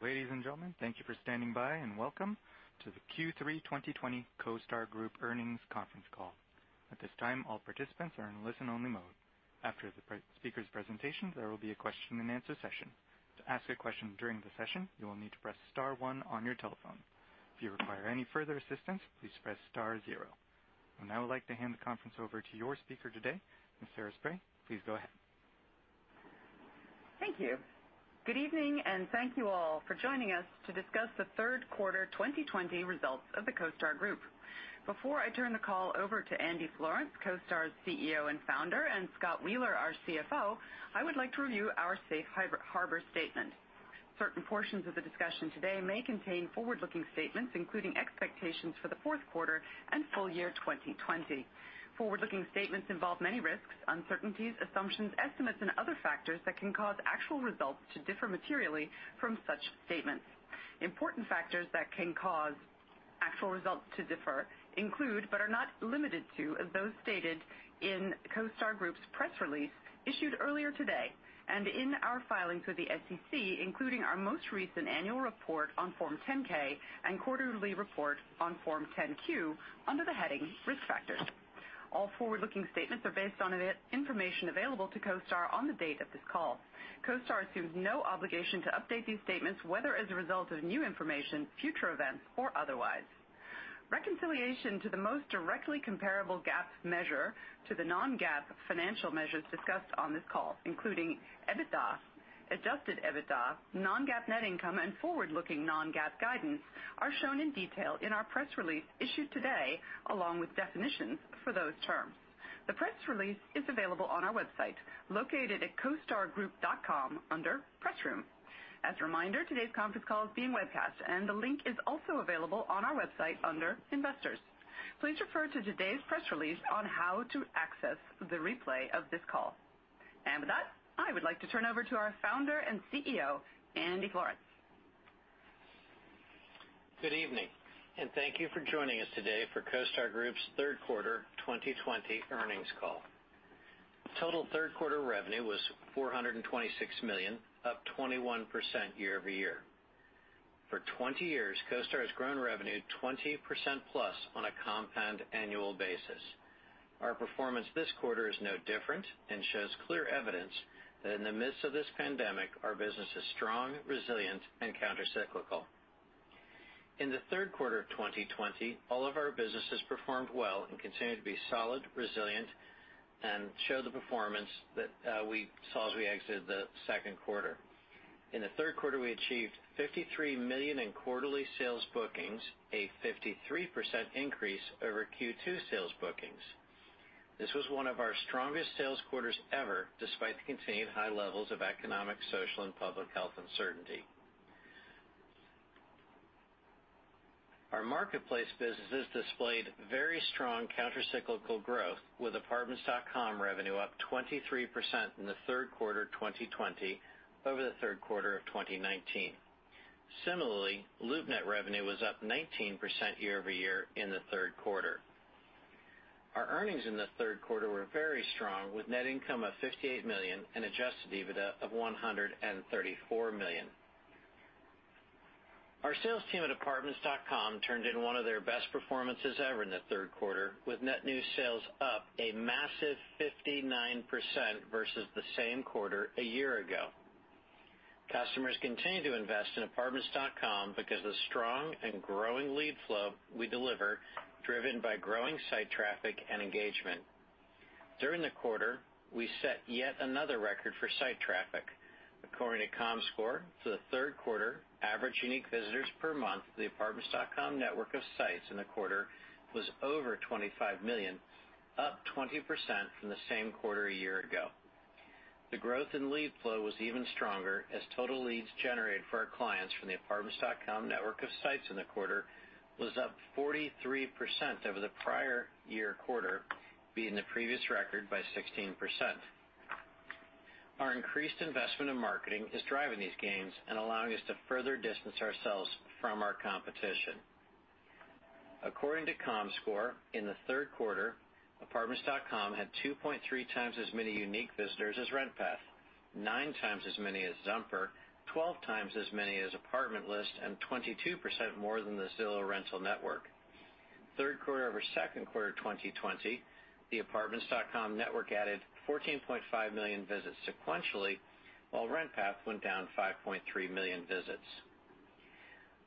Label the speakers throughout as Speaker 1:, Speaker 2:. Speaker 1: Ladies and gentlemen, thank you for standing by, and welcome to the Q3 2020 CoStar Group earnings conference call. At this time, all participants are in listen-only, mode. After the speaker's presentation there will be a question-and-answer session. To ask a question during the session, you will need to press star one on your telephone. If you require any further assistance, please press star zero. I would now like to hand the conference over to your speaker today, Ms. Sarah Spray. Please go ahead.
Speaker 2: Thank you. Good evening, and thank you all for joining us to discuss the third quarter 2020 results of the CoStar Group. Before I turn the call over to Andy Florance, CoStar's CEO and founder, and Scott Wheeler, our CFO, I would like to review our safe harbor statement. Certain portions of the discussion today may contain forward-looking statements, including expectations for the fourth quarter and full year 2020. Forward-looking statements involve many risks, uncertainties, assumptions, estimates, and other factors that can cause actual results to differ materially from such statements. Important factors that can cause actual results to differ include, but are not limited to, those stated in CoStar Group's press release issued earlier today, and in our filings with the SEC, including our most recent annual report on Form 10-K and quarterly report on Form 10-Q under the heading Risk Factors. All forward-looking statements are based on information available to CoStar on the date of this call. CoStar assumes no obligation to update these statements, whether as a result of new information, future events, or otherwise. Reconciliation to the most directly comparable GAAP measure to the non-GAAP financial measures discussed on this call, including EBITDA, adjusted EBITDA, non-GAAP net income, and forward-looking non-GAAP guidance are shown in detail in our press release issued today, along with definitions for those terms. The press release is available on our website, located at costargroup.com under Press Room. As a reminder, today's conference call is being webcast, and the link is also available on our website under Investors. Please refer to today's press release on how to access the replay of this call. With that, I would like to turn over to our founder and CEO, Andy Florance.
Speaker 3: Good evening, and thank you for joining us today for CoStar Group's third quarter 2020 earnings call. Total third quarter revenue was $426 million, up 21% year-over-year. For 20 years, CoStar has grown revenue 20% plus on a compound annual basis. Our performance this quarter is no different and shows clear evidence that in the midst of this pandemic, our business is strong, resilient, and countercyclical. In the third quarter of 2020, all of our businesses performed well and continue to be solid, resilient, and show the performance that we saw as we exited the second quarter. In the third quarter, we achieved $53 million in quarterly sales bookings, a 53% increase over Q2 sales bookings. This was one of our strongest sales quarters ever, despite the continued high levels of economic, social, and public health uncertainty. Our marketplace businesses displayed very strong countercyclical growth with Apartments.com revenue up 23% in the third quarter of 2020 over the third quarter of 2019. Similarly, LoopNet revenue was up 19% year-over-year in the third quarter. Our earnings in the third quarter were very strong, with net income of $58 million and adjusted EBITDA of $134 million. Our sales team at Apartments.com turned in one of their best performances ever in the third quarter, with net new sales up a massive 59% versus the same quarter a year ago. Customers continue to invest in Apartments.com because of the strong and growing lead flow we deliver, driven by growing site traffic and engagement. During the quarter, we set yet another record for site traffic. According to Comscore, for the third quarter, average unique visitors per month to the Apartments.com network of sites in the quarter was over 25 million, up 20% from the same quarter a year ago. The growth in lead flow was even stronger as total leads generated for our clients from the Apartments.com network of sites in the quarter was up 43% over the prior year quarter, beating the previous record by 16%. Our increased investment in marketing is driving these gains and allowing us to further distance ourselves from our competition. According to Comscore, in the third quarter, Apartments.com had 2.3 times as many unique visitors as RentPath, nine times as many as Zumper, 12 times as many as Apartment List, and 22% more than the Zillow Rental Network. Third quarter over second quarter 2020, the Apartments.com network added 14.5 million visits sequentially, while RentPath went down 5.3 million visits.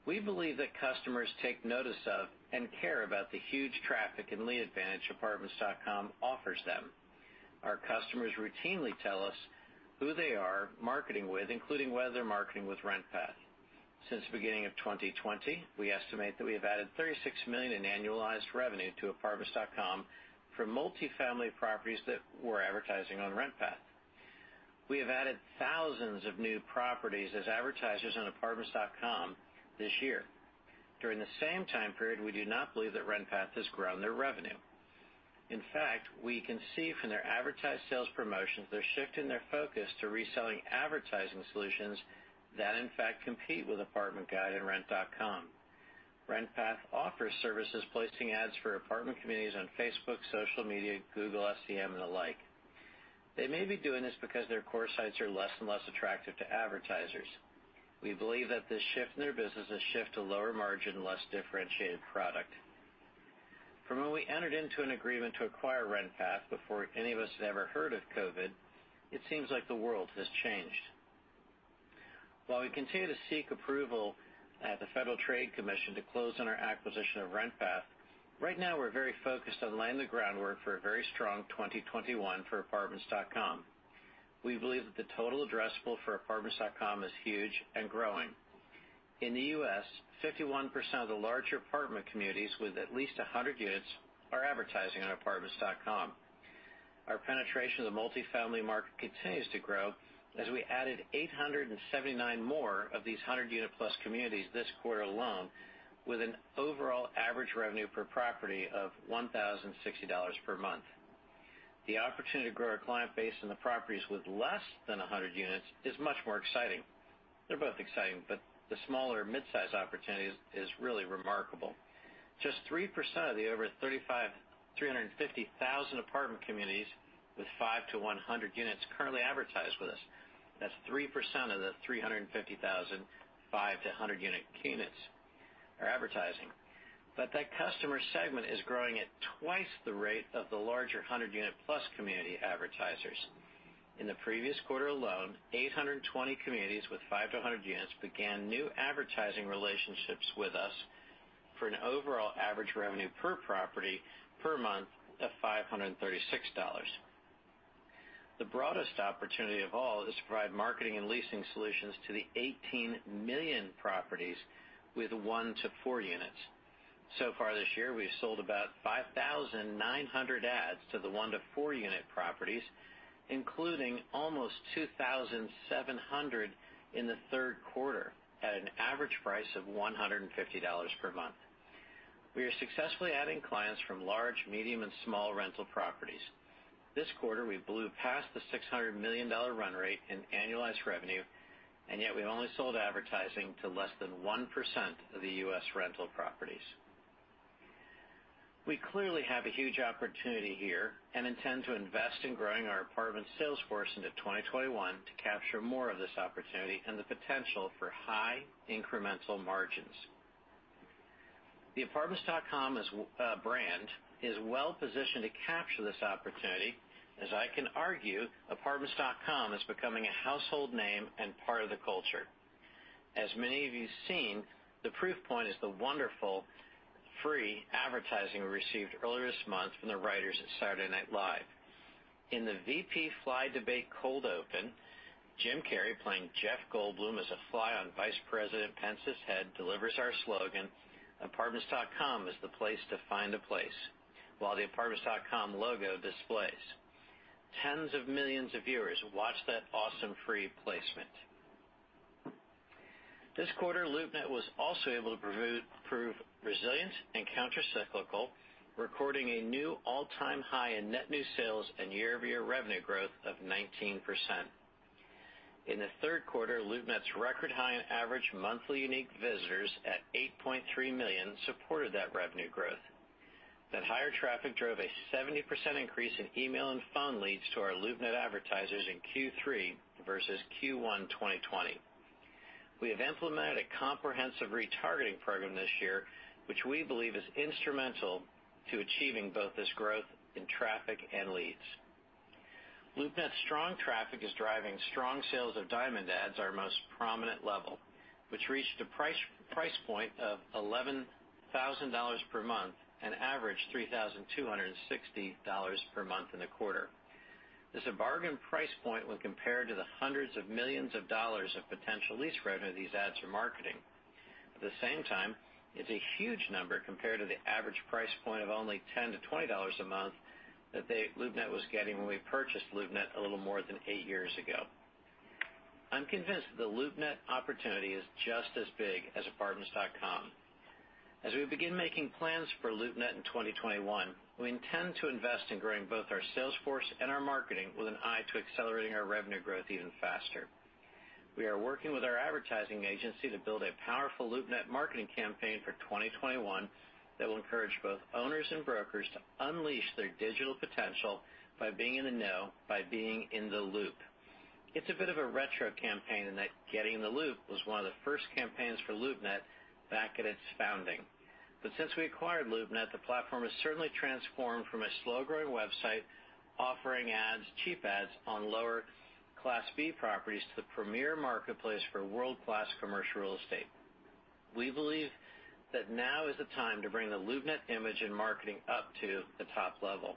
Speaker 3: We believe that customers take notice of and care about the huge traffic and lead advantage Apartments.com offers them. Our customers routinely tell us who they are marketing with, including whether they're marketing with RentPath. Since the beginning of 2020, we estimate that we have added $36 million in annualized revenue to Apartments.com from multifamily properties that were advertising on RentPath. We have added thousands of new properties as advertisers on Apartments.com this year. During the same time period, we do not believe that RentPath has grown their revenue. In fact, we can see from their advertised sales promotions they're shifting their focus to reselling advertising solutions that in fact compete with Apartment Guide and Rent.com. RentPath offers services placing ads for apartment communities on Facebook, social media, Google SEM, and the like. They may be doing this because their core sites are less and less attractive to advertisers. We believe that this shift in their business is a shift to lower margin, less differentiated product. From when we entered into an agreement to acquire RentPath, before any of us had ever heard of COVID, it seems like the world has changed. While we continue to seek approval at the Federal Trade Commission to close on our acquisition of RentPath, right now we're very focused on laying the groundwork for a very strong 2021 for Apartments.com. We believe that the total addressable for Apartments.com is huge and growing. In the U.S., 51% of the larger apartment communities with at least 100 units are advertising on Apartments.com. Our penetration of the multifamily market continues to grow as we added 879 more of these 100-unit plus communities this quarter alone, with an overall average revenue per property of $1,060 per month. The opportunity to grow our client base and the properties with less than 100 units is much more exciting. They're both exciting, but the smaller mid-size opportunity is really remarkable. Just 3% of the over 350,000 apartment communities with 5-100 units currently advertise with us. That's 3% of the 350,000 5-100 units are advertising. That customer segment is growing at twice the rate of the larger 100-unit plus community advertisers. In the previous quarter alone, 820 communities with 5-100 units began new advertising relationships with us for an overall average revenue per property per month of $536. The broadest opportunity of all is to provide marketing and leasing solutions to the 18 million properties with one to four units. Far this year, we've sold about 5,900 ads to the one to four unit properties, including almost 2,700 in the third quarter at an average price of $150 per month. We are successfully adding clients from large, medium, and small rental properties. This quarter, we blew past the $600 million run rate in annualized revenue, and yet we only sold advertising to less than 1% of the U.S. rental properties. We clearly have a huge opportunity here and intend to invest in growing our apartments sales force into 2021 to capture more of this opportunity and the potential for high incremental margins. The Apartments.com brand is well-positioned to capture this opportunity, as I can argue Apartments.com is becoming a household name and part of the culture. As many of you seen, the proof point is the wonderful free advertising we received earlier this month from the writers at Saturday Night Live. In the VP fly debate cold open, Jim Carrey playing Jeff Goldblum as a fly on Vice President Pence's head delivers our slogan, "Apartments.com is the place to find a place," while the Apartments.com logo displays. Tens of millions of viewers watched that awesome free placement. This quarter, LoopNet was also able to prove resilient and countercyclical, recording a new all-time high in net new sales and year-over-year revenue growth of 19%. In the third quarter, LoopNet's record high in average monthly unique visitors at 8.3 million supported that revenue growth. That higher traffic drove a 70% increase in email and phone leads to our LoopNet advertisers in Q3 versus Q1 2020. We have implemented a comprehensive retargeting program this year, which we believe is instrumental to achieving both this growth in traffic and leads. LoopNet's strong traffic is driving strong sales of Diamond Ads, our most prominent level, which reached a price point of $11,000 per month and averaged $3,260 per month in the quarter. This is a bargain price point when compared to the hundreds of millions of dollars of potential lease revenue these ads are marketing. At the same time, it's a huge number compared to the average price point of only $10-$20 a month that LoopNet was getting when we purchased LoopNet a little more than eight years ago. I'm convinced that the LoopNet opportunity is just as big as Apartments.com. As we begin making plans for LoopNet in 2021, we intend to invest in growing both our sales force and our marketing with an eye to accelerating our revenue growth even faster. We are working with our advertising agency to build a powerful LoopNet marketing campaign for 2021 that will encourage both owners and brokers to unleash their digital potential by being in the know, by being in the loop. It's a bit of a retro campaign in that getting in the loop was one of the first campaigns for LoopNet back at its founding. Since we acquired LoopNet, the platform has certainly transformed from a slow-growing website offering ads, cheap ads on lower Class B properties to the premier marketplace for world-class commercial real estate. We believe that now is the time to bring the LoopNet image and marketing up to the top level.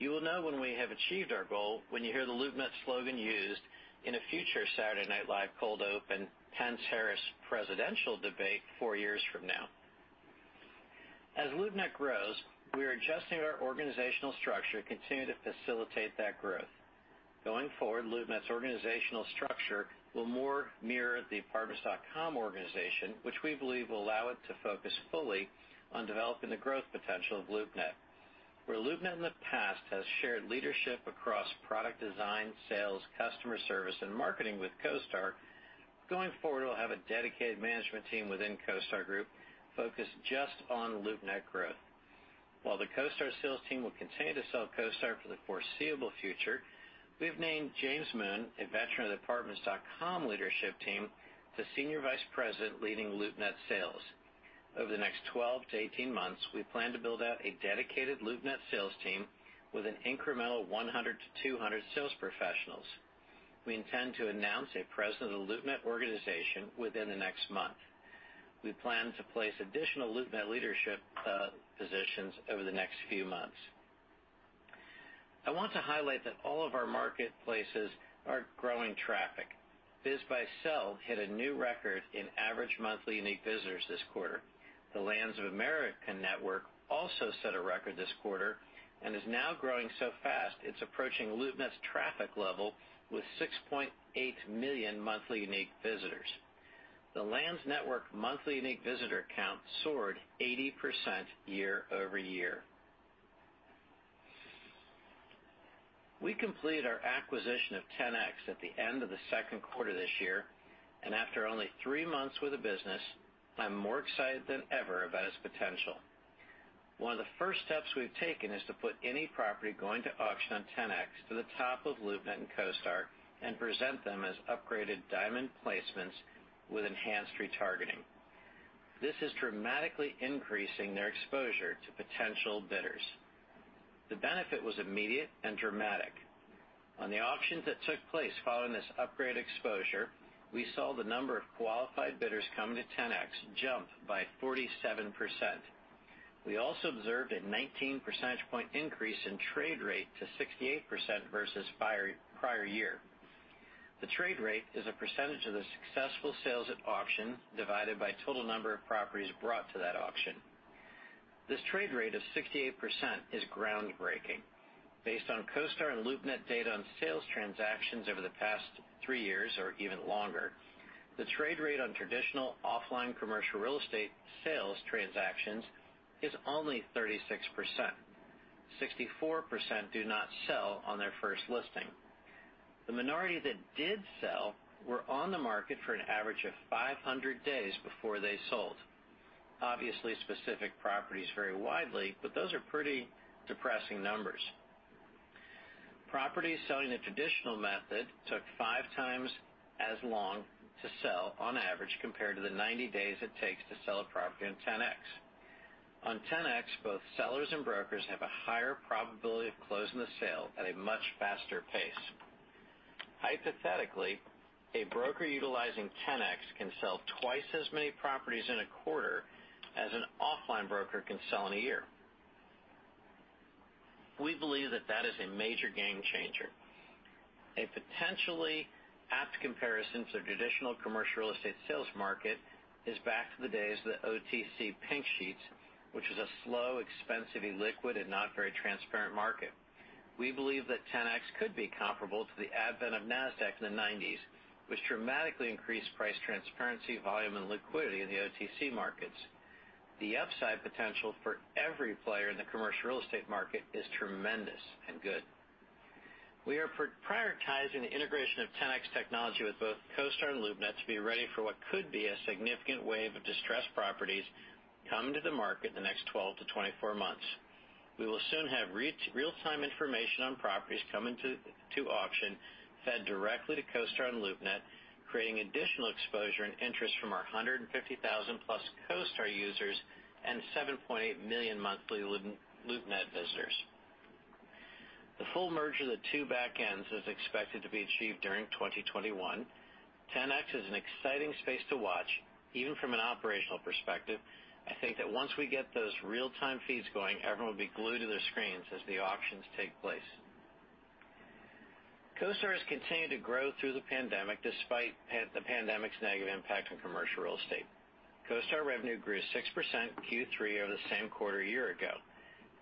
Speaker 3: You will know when we have achieved our goal when you hear the LoopNet slogan used in a future Saturday Night Live cold open Pence-Harris presidential debate four years from now. As LoopNet grows, we are adjusting our organizational structure to continue to facilitate that growth. Going forward, LoopNet's organizational structure will more mirror the Apartments.com organization, which we believe will allow it to focus fully on developing the growth potential of LoopNet. Where LoopNet in the past has shared leadership across product design, sales, customer service, and marketing with CoStar, going forward, we'll have a dedicated management team within CoStar Group focused just on LoopNet growth. While the CoStar sales team will continue to sell CoStar for the foreseeable future, we've named James Moon, a veteran of the Apartments.com leadership team, the Senior Vice President leading LoopNet sales. Over the next 12-18 months, we plan to build out a dedicated LoopNet sales team with an incremental 100-200 sales professionals. We intend to announce a president of the LoopNet organization within the next month. We plan to place additional LoopNet leadership positions over the next few months. I want to highlight that all of our marketplaces are growing traffic. BizBuySell hit a new record in average monthly unique visitors this quarter. The Lands of America network also set a record this quarter and is now growing so fast it's approaching LoopNet's traffic level with 6.8 million monthly unique visitors. The Lands network monthly unique visitor count soared 80% year-over-year. We completed our acquisition of Ten-X at the end of the second quarter this year, and after only three months with the business, I'm more excited than ever about its potential. One of the first steps we've taken is to put any property going to auction on Ten-X to the top of LoopNet and CoStar and present them as upgraded diamond placements with enhanced retargeting. This is dramatically increasing their exposure to potential bidders. The benefit was immediate and dramatic. On the auctions that took place following this upgraded exposure, we saw the number of qualified bidders coming to Ten-X jump by 47%. We also observed a 19 percentage point increase in trade rate to 68% versus prior year. The trade rate is a percentage of the successful sales at auction divided by total number of properties brought to that auction. This trade rate of 68% is groundbreaking. Based on CoStar and LoopNet data on sales transactions over the past three years or even longer, the trade rate on traditional offline commercial real estate sales transactions is only 36%. 64% do not sell on their first listing. The minority that did sell were on the market for an average of 500 days before they sold. Obviously, specific properties vary widely, but those are pretty depressing numbers. Properties selling the traditional method took five times as long to sell on average, compared to the 90 days it takes to sell a property on Ten-X. On Ten-X, both sellers and brokers have a higher probability of closing the sale at a much faster pace. Hypothetically, a broker utilizing Ten-X can sell twice as many properties in a quarter as an offline broker can sell in a year. We believe that is a major game changer. A potentially apt comparison to the traditional commercial real estate sales market is back to the days of the OTC Pink Sheets, which was a slow, expensive, illiquid, and not very transparent market. We believe that Ten-X could be comparable to the advent of Nasdaq in the 1990s, which dramatically increased price transparency, volume, and liquidity in the OTC markets. The upside potential for every player in the commercial real estate market is tremendous and good. We are prioritizing the integration of Ten-X technology with both CoStar and LoopNet to be ready for what could be a significant wave of distressed properties coming to the market in the next 12-24 months. We will soon have real-time information on properties coming to auction fed directly to CoStar and LoopNet, creating additional exposure and interest from our 150,000-plus CoStar users and 7.8 million monthly LoopNet visitors. The full merger of the two backends is expected to be achieved during 2021. Ten-X is an exciting space to watch, even from an operational perspective. I think that once we get those real-time feeds going, everyone will be glued to their screens as the auctions take place. CoStar has continued to grow through the pandemic, despite the pandemic's negative impact on commercial real estate. CoStar revenue grew 6% Q3 over the same quarter a year ago.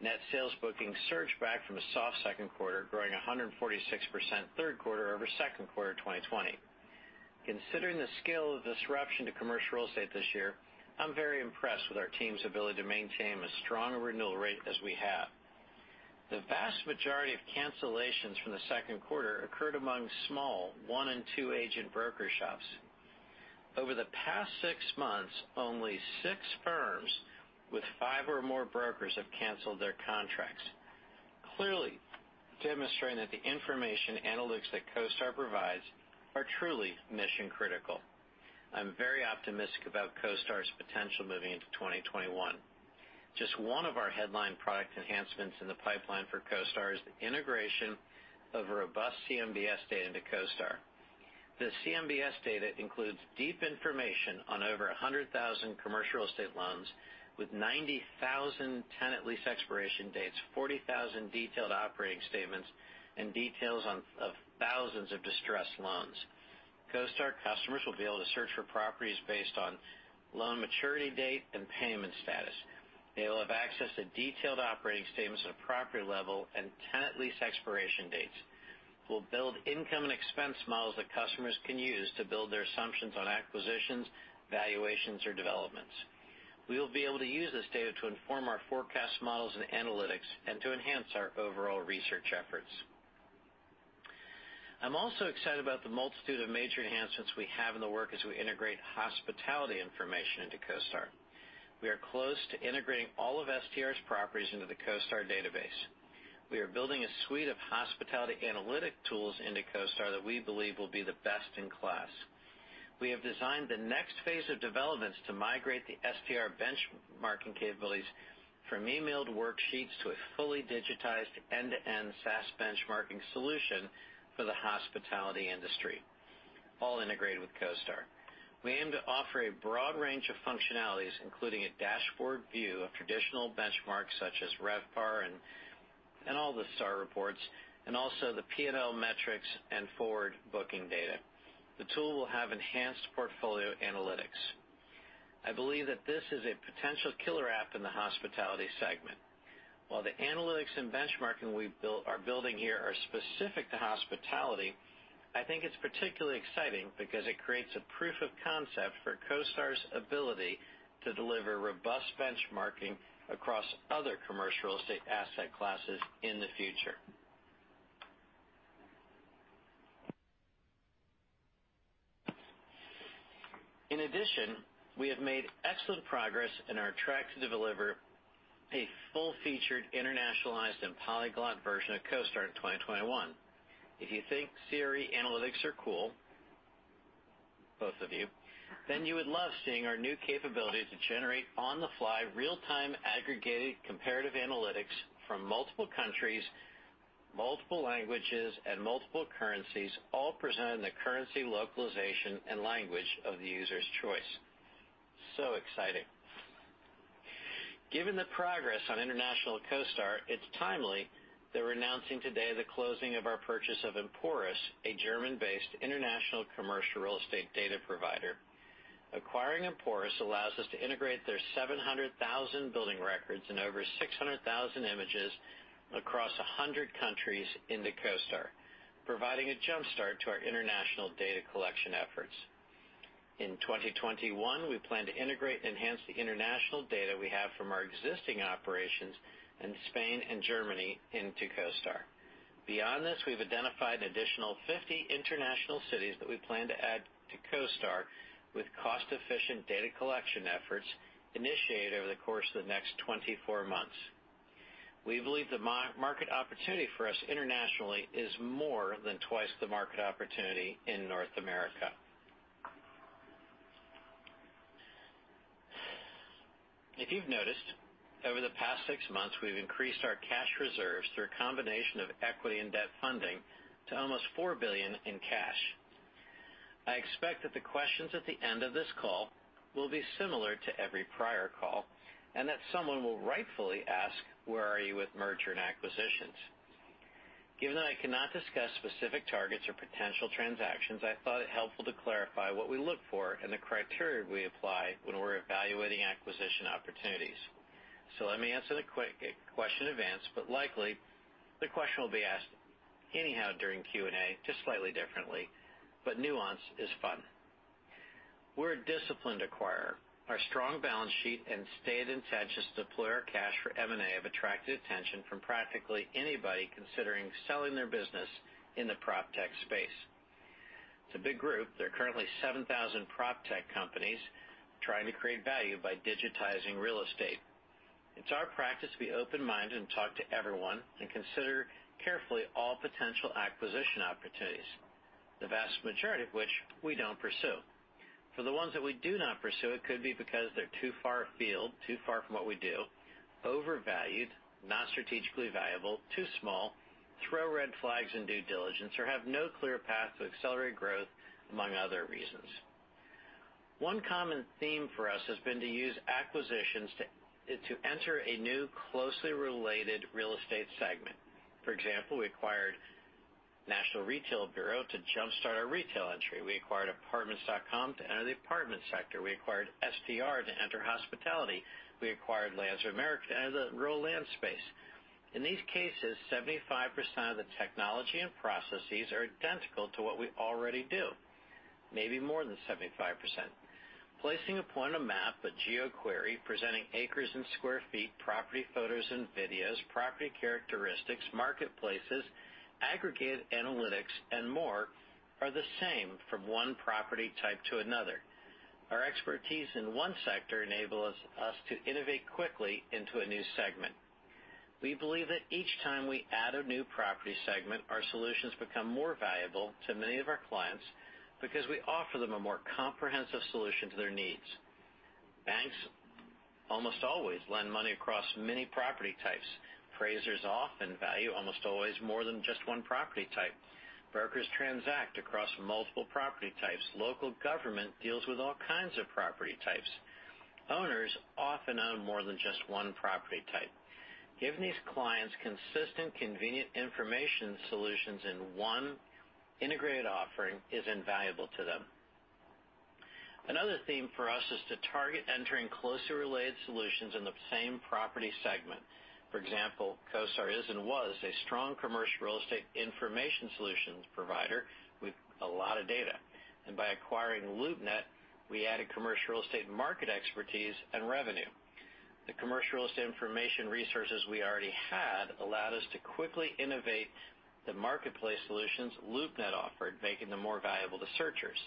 Speaker 3: Net sales bookings surged back from a soft second quarter, growing 146% third quarter over second quarter 2020. Considering the scale of disruption to commercial real estate this year, I'm very impressed with our team's ability to maintain as strong a renewal rate as we have. The vast majority of cancellations from the second quarter occurred among small one and two-agent broker shops. Over the past six months, only six firms with five or more brokers have canceled their contracts, clearly demonstrating that the information analytics that CoStar provides are truly mission-critical. I'm very optimistic about CoStar's potential moving into 2021. Just one of our headline product enhancements in the pipeline for CoStar is the integration of robust CMBS data into CoStar. The CMBS data includes deep information on over 100,000 commercial real estate loans with 90,000 tenant lease expiration dates, 40,000 detailed operating statements, and details of thousands of distressed loans. CoStar customers will be able to search for properties based on loan maturity date and payment status. They will have access to detailed operating statements at a property level and tenant lease expiration dates. We'll build income and expense models that customers can use to build their assumptions on acquisitions, valuations, or developments. We will be able to use this data to inform our forecast models and analytics and to enhance our overall research efforts. I'm also excited about the multitude of major enhancements we have in the work as we integrate hospitality information into CoStar. We are close to integrating all of STR's properties into the CoStar database. We are building a suite of hospitality analytic tools into CoStar that we believe will be the best in class. We have designed the next phase of developments to migrate the STR benchmarking capabilities from emailed worksheets to a fully digitized end-to-end SaaS benchmarking solution for the hospitality industry, all integrated with CoStar. We aim to offer a broad range of functionalities, including a dashboard view of traditional benchmarks such as RevPAR and all the STAR reports, and also the P&L metrics and forward-booking data. The tool will have enhanced portfolio analytics. I believe that this is a potential killer app in the hospitality segment. While the analytics and benchmarking we are building here are specific to hospitality, I think it's particularly exciting because it creates a proof of concept for CoStar's ability to deliver robust benchmarking across other commercial real estate asset classes in the future. In addition, we have made excellent progress and are on track to deliver a full-featured, internationalized, and polyglot version of CoStar in 2021. If you think CRE analytics are cool, both of you, then you would love seeing our new capabilities to generate on-the-fly, real-time aggregated comparative analytics from multiple countries, multiple languages, and multiple currencies, all presented in the currency localization and language of the user's choice. Exciting. Given the progress on international CoStar, it's timely that we're announcing today the closing of our purchase of Emporis, a German-based international commercial real estate data provider. Acquiring Emporis allows us to integrate their 700,000 building records and over 600,000 images across 100 countries into CoStar, providing a jumpstart to our international data collection efforts. In 2021, we plan to integrate and enhance the international data we have from our existing operations in Spain and Germany into CoStar. Beyond this, we've identified an additional 50 international cities that we plan to add to CoStar with cost-efficient data collection efforts initiated over the course of the next 24 months. We believe the market opportunity for us internationally is more than twice the market opportunity in North America. If you've noticed, over the past six months, we've increased our cash reserves through a combination of equity and debt funding to almost $4 billion in cash. I expect that the questions at the end of this call will be similar to every prior call, that someone will rightfully ask, "Where are you with merger and acquisitions?" Given that I cannot discuss specific targets or potential transactions, I thought it helpful to clarify what we look for and the criteria we apply when we're evaluating acquisition opportunities. Let me answer the question in advance, likely, the question will be asked anyhow during Q&A, just slightly differently. Nuance is fun. We're a disciplined acquirer. Our strong balance sheet and stayed intentions to deploy our cash for M&A have attracted attention from practically anybody considering selling their business in the PropTech space. It's a big group. There are currently 7,000 PropTech companies trying to create value by digitizing real estate. It's our practice to be open-minded and talk to everyone and consider carefully all potential acquisition opportunities, the vast majority of which we don't pursue. For the ones that we do not pursue, it could be because they're too far afield, too far from what we do, overvalued, not strategically valuable, too small, throw red flags in due diligence, or have no clear path to accelerate growth, among other reasons. One common theme for us has been to use acquisitions to enter a new, closely related real estate segment. For example, we acquired National Research Bureau to jumpstart our retail entry. We acquired Apartments.com to enter the apartment sector. We acquired STR to enter hospitality. We acquired Lands of America to enter the rural land space. In these cases, 75% of the technology and processes are identical to what we already do, maybe more than 75%. Placing a point on a map, a geo-query, presenting acres and square feet, property photos and videos, property characteristics, marketplaces, aggregated analytics, and more are the same from 1 property type to another. Our expertise in one sector enables us to innovate quickly into a new segment. We believe that each time we add a new property segment, our solutions become more valuable to many of our clients because we offer them a more comprehensive solution to their needs. Banks almost always lend money across many property types. Appraisers often value almost always more than just 1 property type. Brokers transact across multiple property types. Local government deals with all kinds of property types. Owners often own more than just one property type. Giving these clients consistent, convenient information solutions in one integrated offering is invaluable to them. Another theme for us is to target entering closely related solutions in the same property segment. For example, CoStar is and was a strong commercial real estate information solutions provider with a lot of data. By acquiring LoopNet, we added commercial real estate market expertise and revenue. The commercial real estate information resources we already had allowed us to quickly innovate the marketplace solutions LoopNet offered, making them more valuable to searchers.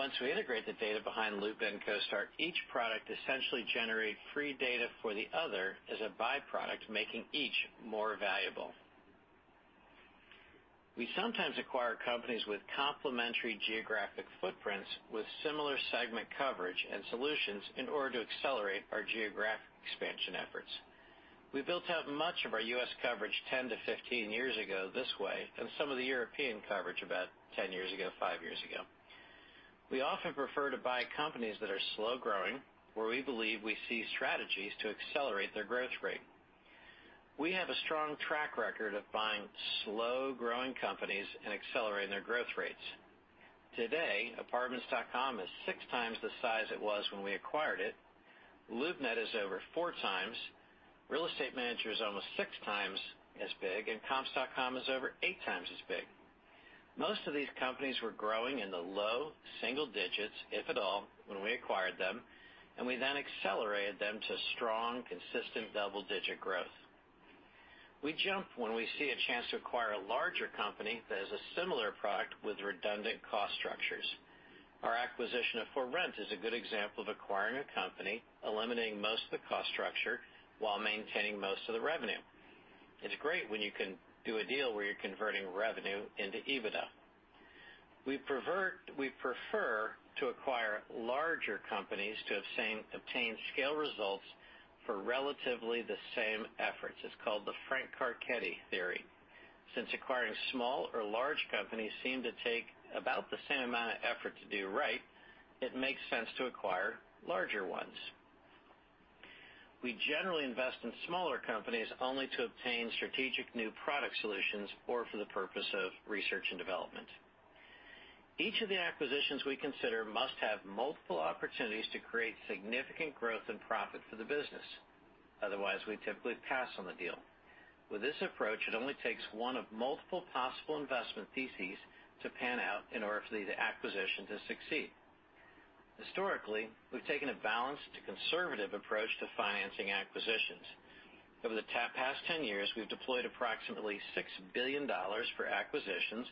Speaker 3: Once we integrate the data behind LoopNet and CoStar, each product essentially generate free data for the other as a byproduct, making each more valuable. We sometimes acquire companies with complementary geographic footprints with similar segment coverage and solutions in order to accelerate our geographic expansion efforts. We built out much of our U.S. coverage 10-15 years ago this way. Some of the European coverage about 10 years ago, five years ago. We often prefer to buy companies that are slow-growing, where we believe we see strategies to accelerate their growth rate. We have a strong track record of buying slow-growing companies and accelerating their growth rates. Today, Apartments.com is six times the size it was when we acquired it. LoopNet is over four times. Real Estate Manager is almost six times as big. COMPS.com is over eight times as big. Most of these companies were growing in the low single digits, if at all, when we acquired them. We then accelerated them to strong, consistent double-digit growth. We jump when we see a chance to acquire a larger company that has a similar product with redundant cost structures. Our acquisition of ForRent is a good example of acquiring a company, eliminating most of the cost structure while maintaining most of the revenue. It's great when you can do a deal where you're converting revenue into EBITDA. We prefer to acquire larger companies to obtain scale results for relatively the same efforts. It's called the Frank Carchedi theory. Since acquiring small or large companies seem to take about the same amount of effort to do right, it makes sense to acquire larger ones. We generally invest in smaller companies only to obtain strategic new product solutions, or for the purpose of research and development. Each of the acquisitions we consider must have multiple opportunities to create significant growth and profit for the business. Otherwise, we typically pass on the deal. With this approach, it only takes one of multiple possible investment theses to pan out in order for the acquisition to succeed. Historically, we've taken a balanced to conservative approach to financing acquisitions. Over the past 10 years, we've deployed approximately $6 billion for acquisitions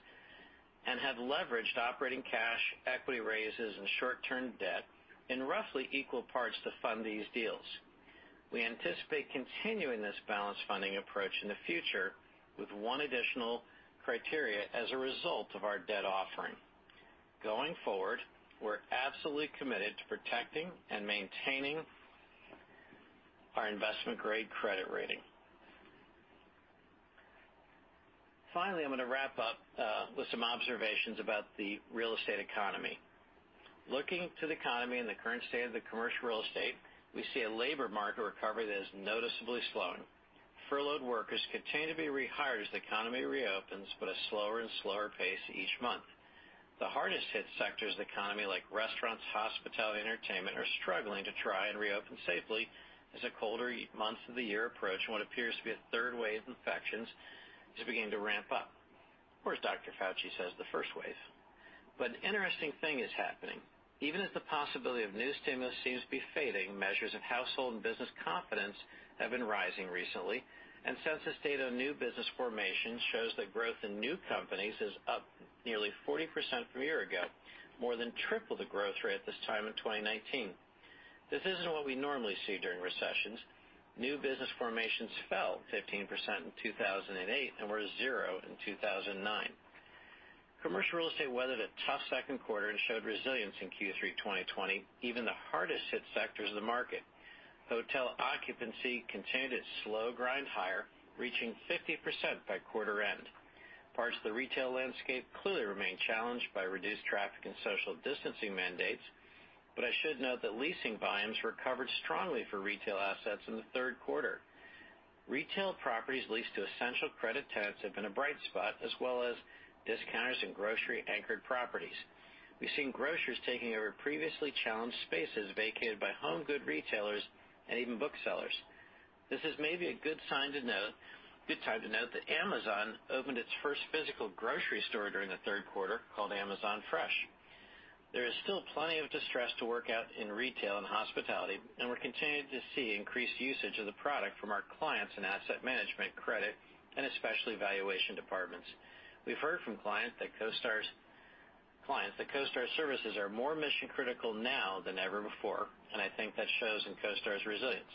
Speaker 3: and have leveraged operating cash, equity raises, and short-term debt in roughly equal parts to fund these deals. We anticipate continuing this balanced funding approach in the future with one additional criteria as a result of our debt offering. Going forward, we're absolutely committed to protecting and maintaining our investment-grade credit rating. Finally, I'm going to wrap up with some observations about the real estate economy. Looking to the economy and the current state of the commercial real estate, we see a labor market recovery that has noticeably slowed. Furloughed workers continue to be rehired as the economy reopens, but at a slower and slower pace each month. The hardest hit sectors of the economy, like restaurants, hospitality, entertainment, are struggling to try and reopen safely as the colder months of the year approach and what appears to be a third wave of infections is beginning to ramp up. As Dr. Fauci says, the first wave. An interesting thing is happening. Even as the possibility of new stimulus seems to be fading, measures of household and business confidence have been rising recently. Census data on new business formation shows that growth in new companies is up nearly 40% from a year ago, more than triple the growth rate this time in 2019. This isn't what we normally see during recessions. New business formations fell 15% in 2008 and were zero in 2009. Commercial real estate weathered a tough second quarter and showed resilience in Q3 2020, even the hardest hit sectors of the market. Hotel occupancy continued its slow grind higher, reaching 50% by quarter end. Parts of the retail landscape clearly remain challenged by reduced traffic and social distancing mandates, but I should note that leasing volumes recovered strongly for retail assets in the third quarter. Retail properties leased to essential credit tenants have been a bright spot, as well as discounters and grocery-anchored properties. We've seen grocers taking over previously challenged spaces vacated by home good retailers and even booksellers. This is maybe a good time to note that Amazon opened its first physical grocery store during the third quarter called Amazon Fresh. There is still plenty of distress to work out in retail and hospitality. We're continuing to see increased usage of the product from our clients in asset management, credit, and especially valuation departments. We've heard from clients that CoStar's services are more mission-critical now than ever before. I think that shows in CoStar's resilience.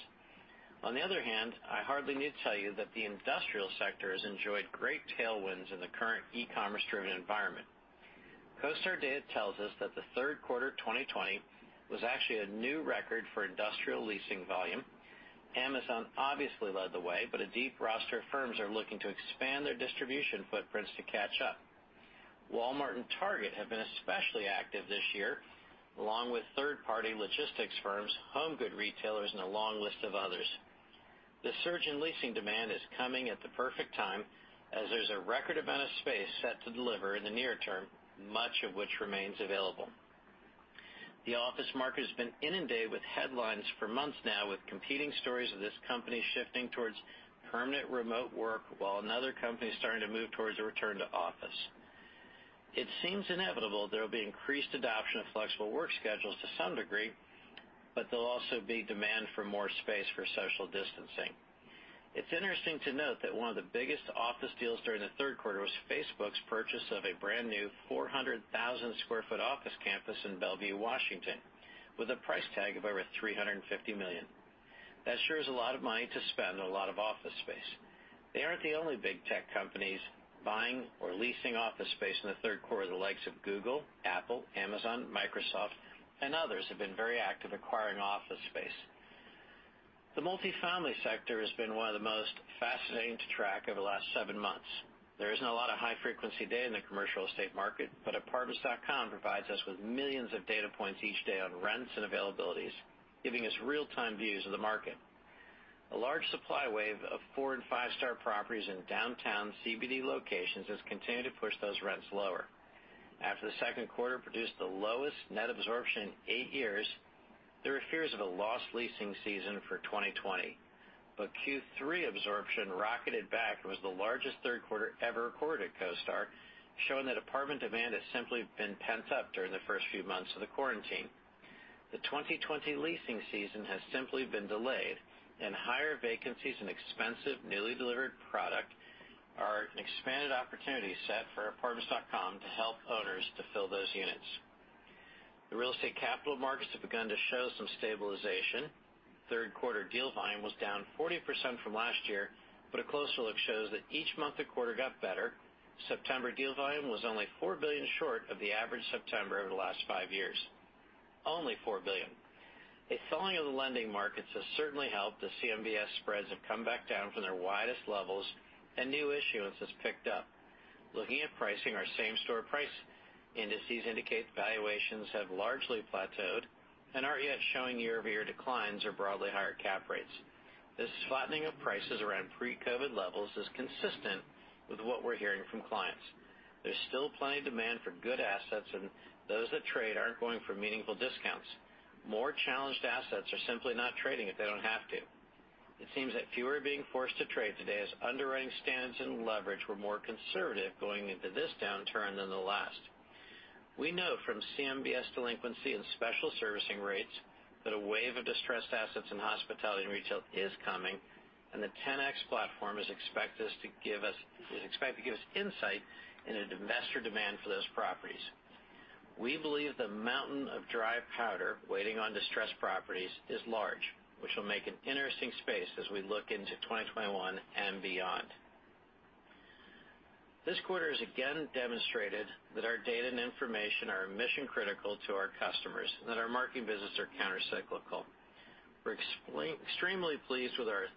Speaker 3: On the other hand, I hardly need to tell you that the industrial sector has enjoyed great tailwinds in the current e-commerce-driven environment. CoStar data tells us that the third quarter 2020 was actually a new record for industrial leasing volume. Amazon obviously led the way, a deep roster of firms are looking to expand their distribution footprints to catch up. Walmart and Target have been especially active this year, along with third-party logistics firms, home good retailers, and a long list of others. The surge in leasing demand is coming at the perfect time, as there's a record amount of space set to deliver in the near term, much of which remains available. The office market has been inundated with headlines for months now, with competing stories of this company shifting towards permanent remote work while another company is starting to move towards a return to office. It seems inevitable there'll be increased adoption of flexible work schedules to some degree, but there'll also be demand for more space for social distancing. It's interesting to note that one of the biggest office deals during the third quarter was Facebook's purchase of a brand-new 400,000 sq ft office campus in Bellevue, Washington, with a price tag of over $350 million. That sure is a lot of money to spend on a lot of office space. They aren't the only big tech companies buying or leasing office space in the third quarter. The likes of Google, Apple, Amazon, Microsoft, and others have been very active acquiring office space. The multifamily sector has been one of the most fascinating to track over the last 7 months. There isn't a lot of high-frequency data in the commercial real estate market, but Apartments.com provides us with millions of data points each day on rents and availabilities, giving us real-time views of the market. A large supply wave of four and five-star properties in downtown CBD locations has continued to push those rents lower. After the second quarter produced the lowest net absorption in eight years, there were fears of a lost leasing season for 2020, Q3 absorption rocketed back and was the largest third quarter ever recorded at CoStar, showing that apartment demand has simply been pent up during the first few months of the quarantine. The 2020 leasing season has simply been delayed, higher vacancies and expensive newly delivered product are an expanded opportunity set for Apartments.com to help owners to fill those units. The real estate capital markets have begun to show some stabilization. Third quarter deal volume was down 40% from last year, a closer look shows that each month the quarter got better. September deal volume was only $4 billion short of the average September over the last five years. Only $4 billion. A thawing of the lending markets has certainly helped, as CMBS spreads have come back down from their widest levels and new issuance has picked up. Looking at pricing, our same store price indices indicate valuations have largely plateaued and aren't yet showing year-over-year declines or broadly higher cap rates. This flattening of prices around pre-COVID levels is consistent with what we're hearing from clients. There's still plenty of demand for good assets, and those that trade aren't going for meaningful discounts. More challenged assets are simply not trading if they don't have to. It seems that fewer are being forced to trade today as underwriting standards and leverage were more conservative going into this downturn than the last. We know from CMBS delinquency and special servicing rates that a wave of distressed assets in hospitality and retail is coming, and the Ten-X platform is expected to give us insight into investor demand for those properties. We believe the mountain of dry powder waiting on distressed properties is large, which will make an interesting space as we look into 2021 and beyond. This quarter has again demonstrated that our data and information are mission-critical to our customers and that our market visits are counter-cyclical. We're extremely pleased with our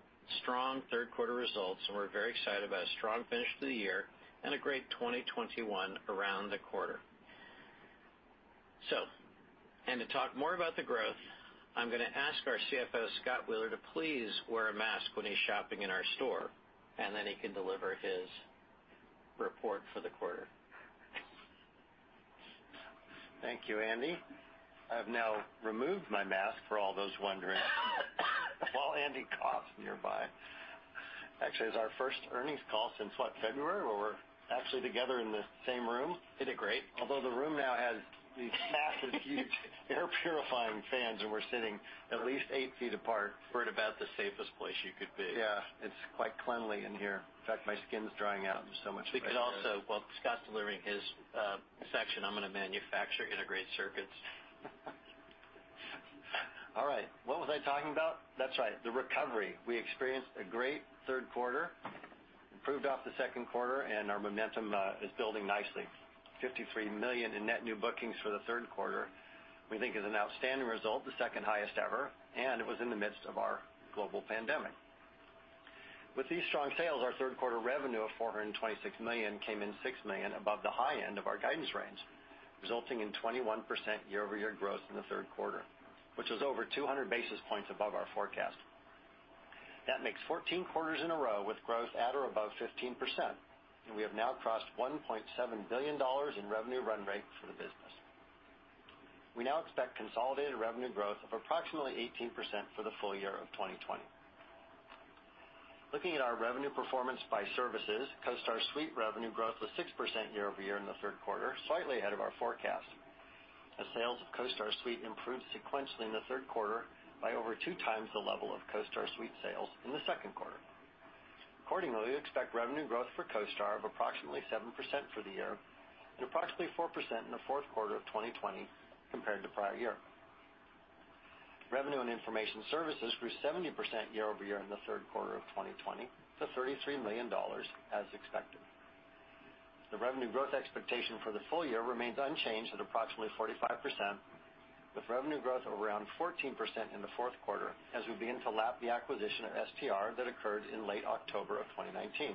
Speaker 3: strong third quarter results, and we're very excited about a strong finish to the year and a great 2021 around the corner. To talk more about the growth, I'm going to ask our CFO, Scott Wheeler, to please wear a mask when he's shopping in our store, and then he can deliver his report for the quarter.
Speaker 4: Thank you, Andy. I've now removed my mask for all those wondering. While Andy coughs nearby. Actually, it's our first earnings call since what, February, where we're actually together in the same room?
Speaker 3: Isn't it great?
Speaker 4: Although the room now has these massive, huge air purifying fans, and we're sitting at least eight feet apart.
Speaker 3: We're at about the safest place you could be.
Speaker 4: Yeah, it's quite cleanly in here. In fact, my skin's drying out so much.
Speaker 3: We could also, while Scott's delivering his section, I'm going to manufacture integrated circuits.
Speaker 4: All right. What was I talking about? That's right, the recovery. We experienced a great third quarter, improved off the second quarter, and our momentum is building nicely. 53 million in net new bookings for the third quarter we think is an outstanding result, the second highest ever, and it was in the midst of our global pandemic. With these strong sales, our third quarter revenue of $426 million came in $6 million above the high end of our guidance range, resulting in 21% year-over-year growth in the third quarter. Which is over 200 basis points above our forecast. That makes 14 quarters in a row with growth at or above 15%, and we have now crossed $1.7 billion in revenue run rate for the business. We now expect consolidated revenue growth of approximately 18% for the full year of 2020. Looking at our revenue performance by services, CoStar Suite revenue growth was 6% year-over-year in the third quarter, slightly ahead of our forecast. Sales of CoStar Suite improved sequentially in the third quarter by over two times the level of CoStar Suite sales in the second quarter. We expect revenue growth for CoStar of approximately 7% for the year and approximately 4% in the fourth quarter of 2020 compared to prior year. Revenue and information services grew 70% year-over-year in the third quarter of 2020 to $33 million as expected. The revenue growth expectation for the full year remains unchanged at approximately 45%. With revenue growth of around 14% in the fourth quarter as we begin to lap the acquisition of STR that occurred in late October of 2019.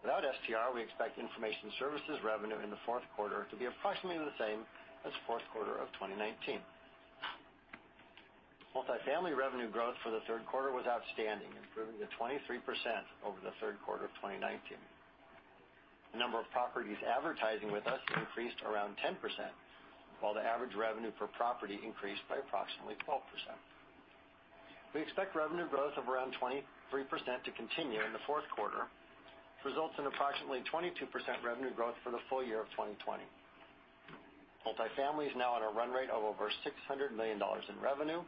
Speaker 4: Without STR, we expect information services revenue in the fourth quarter to be approximately the same as fourth quarter of 2019. Multifamily revenue growth for the third quarter was outstanding, improving to 23% over the third quarter of 2019. The number of properties advertising with us increased around 10%, while the average revenue per property increased by approximately 12%. We expect revenue growth of around 23% to continue in the fourth quarter, which results in approximately 22% revenue growth for the full year of 2020. Multifamily is now at a run rate of over $600 million in revenue,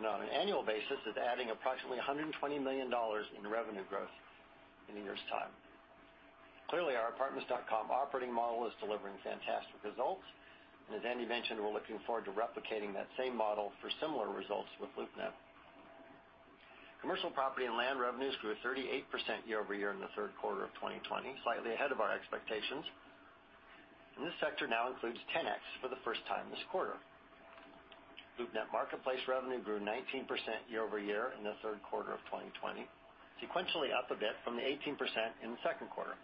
Speaker 4: and on an annual basis is adding approximately $120 million in revenue growth in a year's time. Clearly, our apartments.com operating model is delivering fantastic results, and as Andy mentioned, we're looking forward to replicating that same model for similar results with LoopNet. Commercial property and land revenues grew 38% year-over-year in the third quarter of 2020, slightly ahead of our expectations. This sector now includes Ten-X for the first time this quarter. LoopNet marketplace revenue grew 19% year-over-year in the third quarter of 2020, sequentially up a bit from the 18% in the second quarter.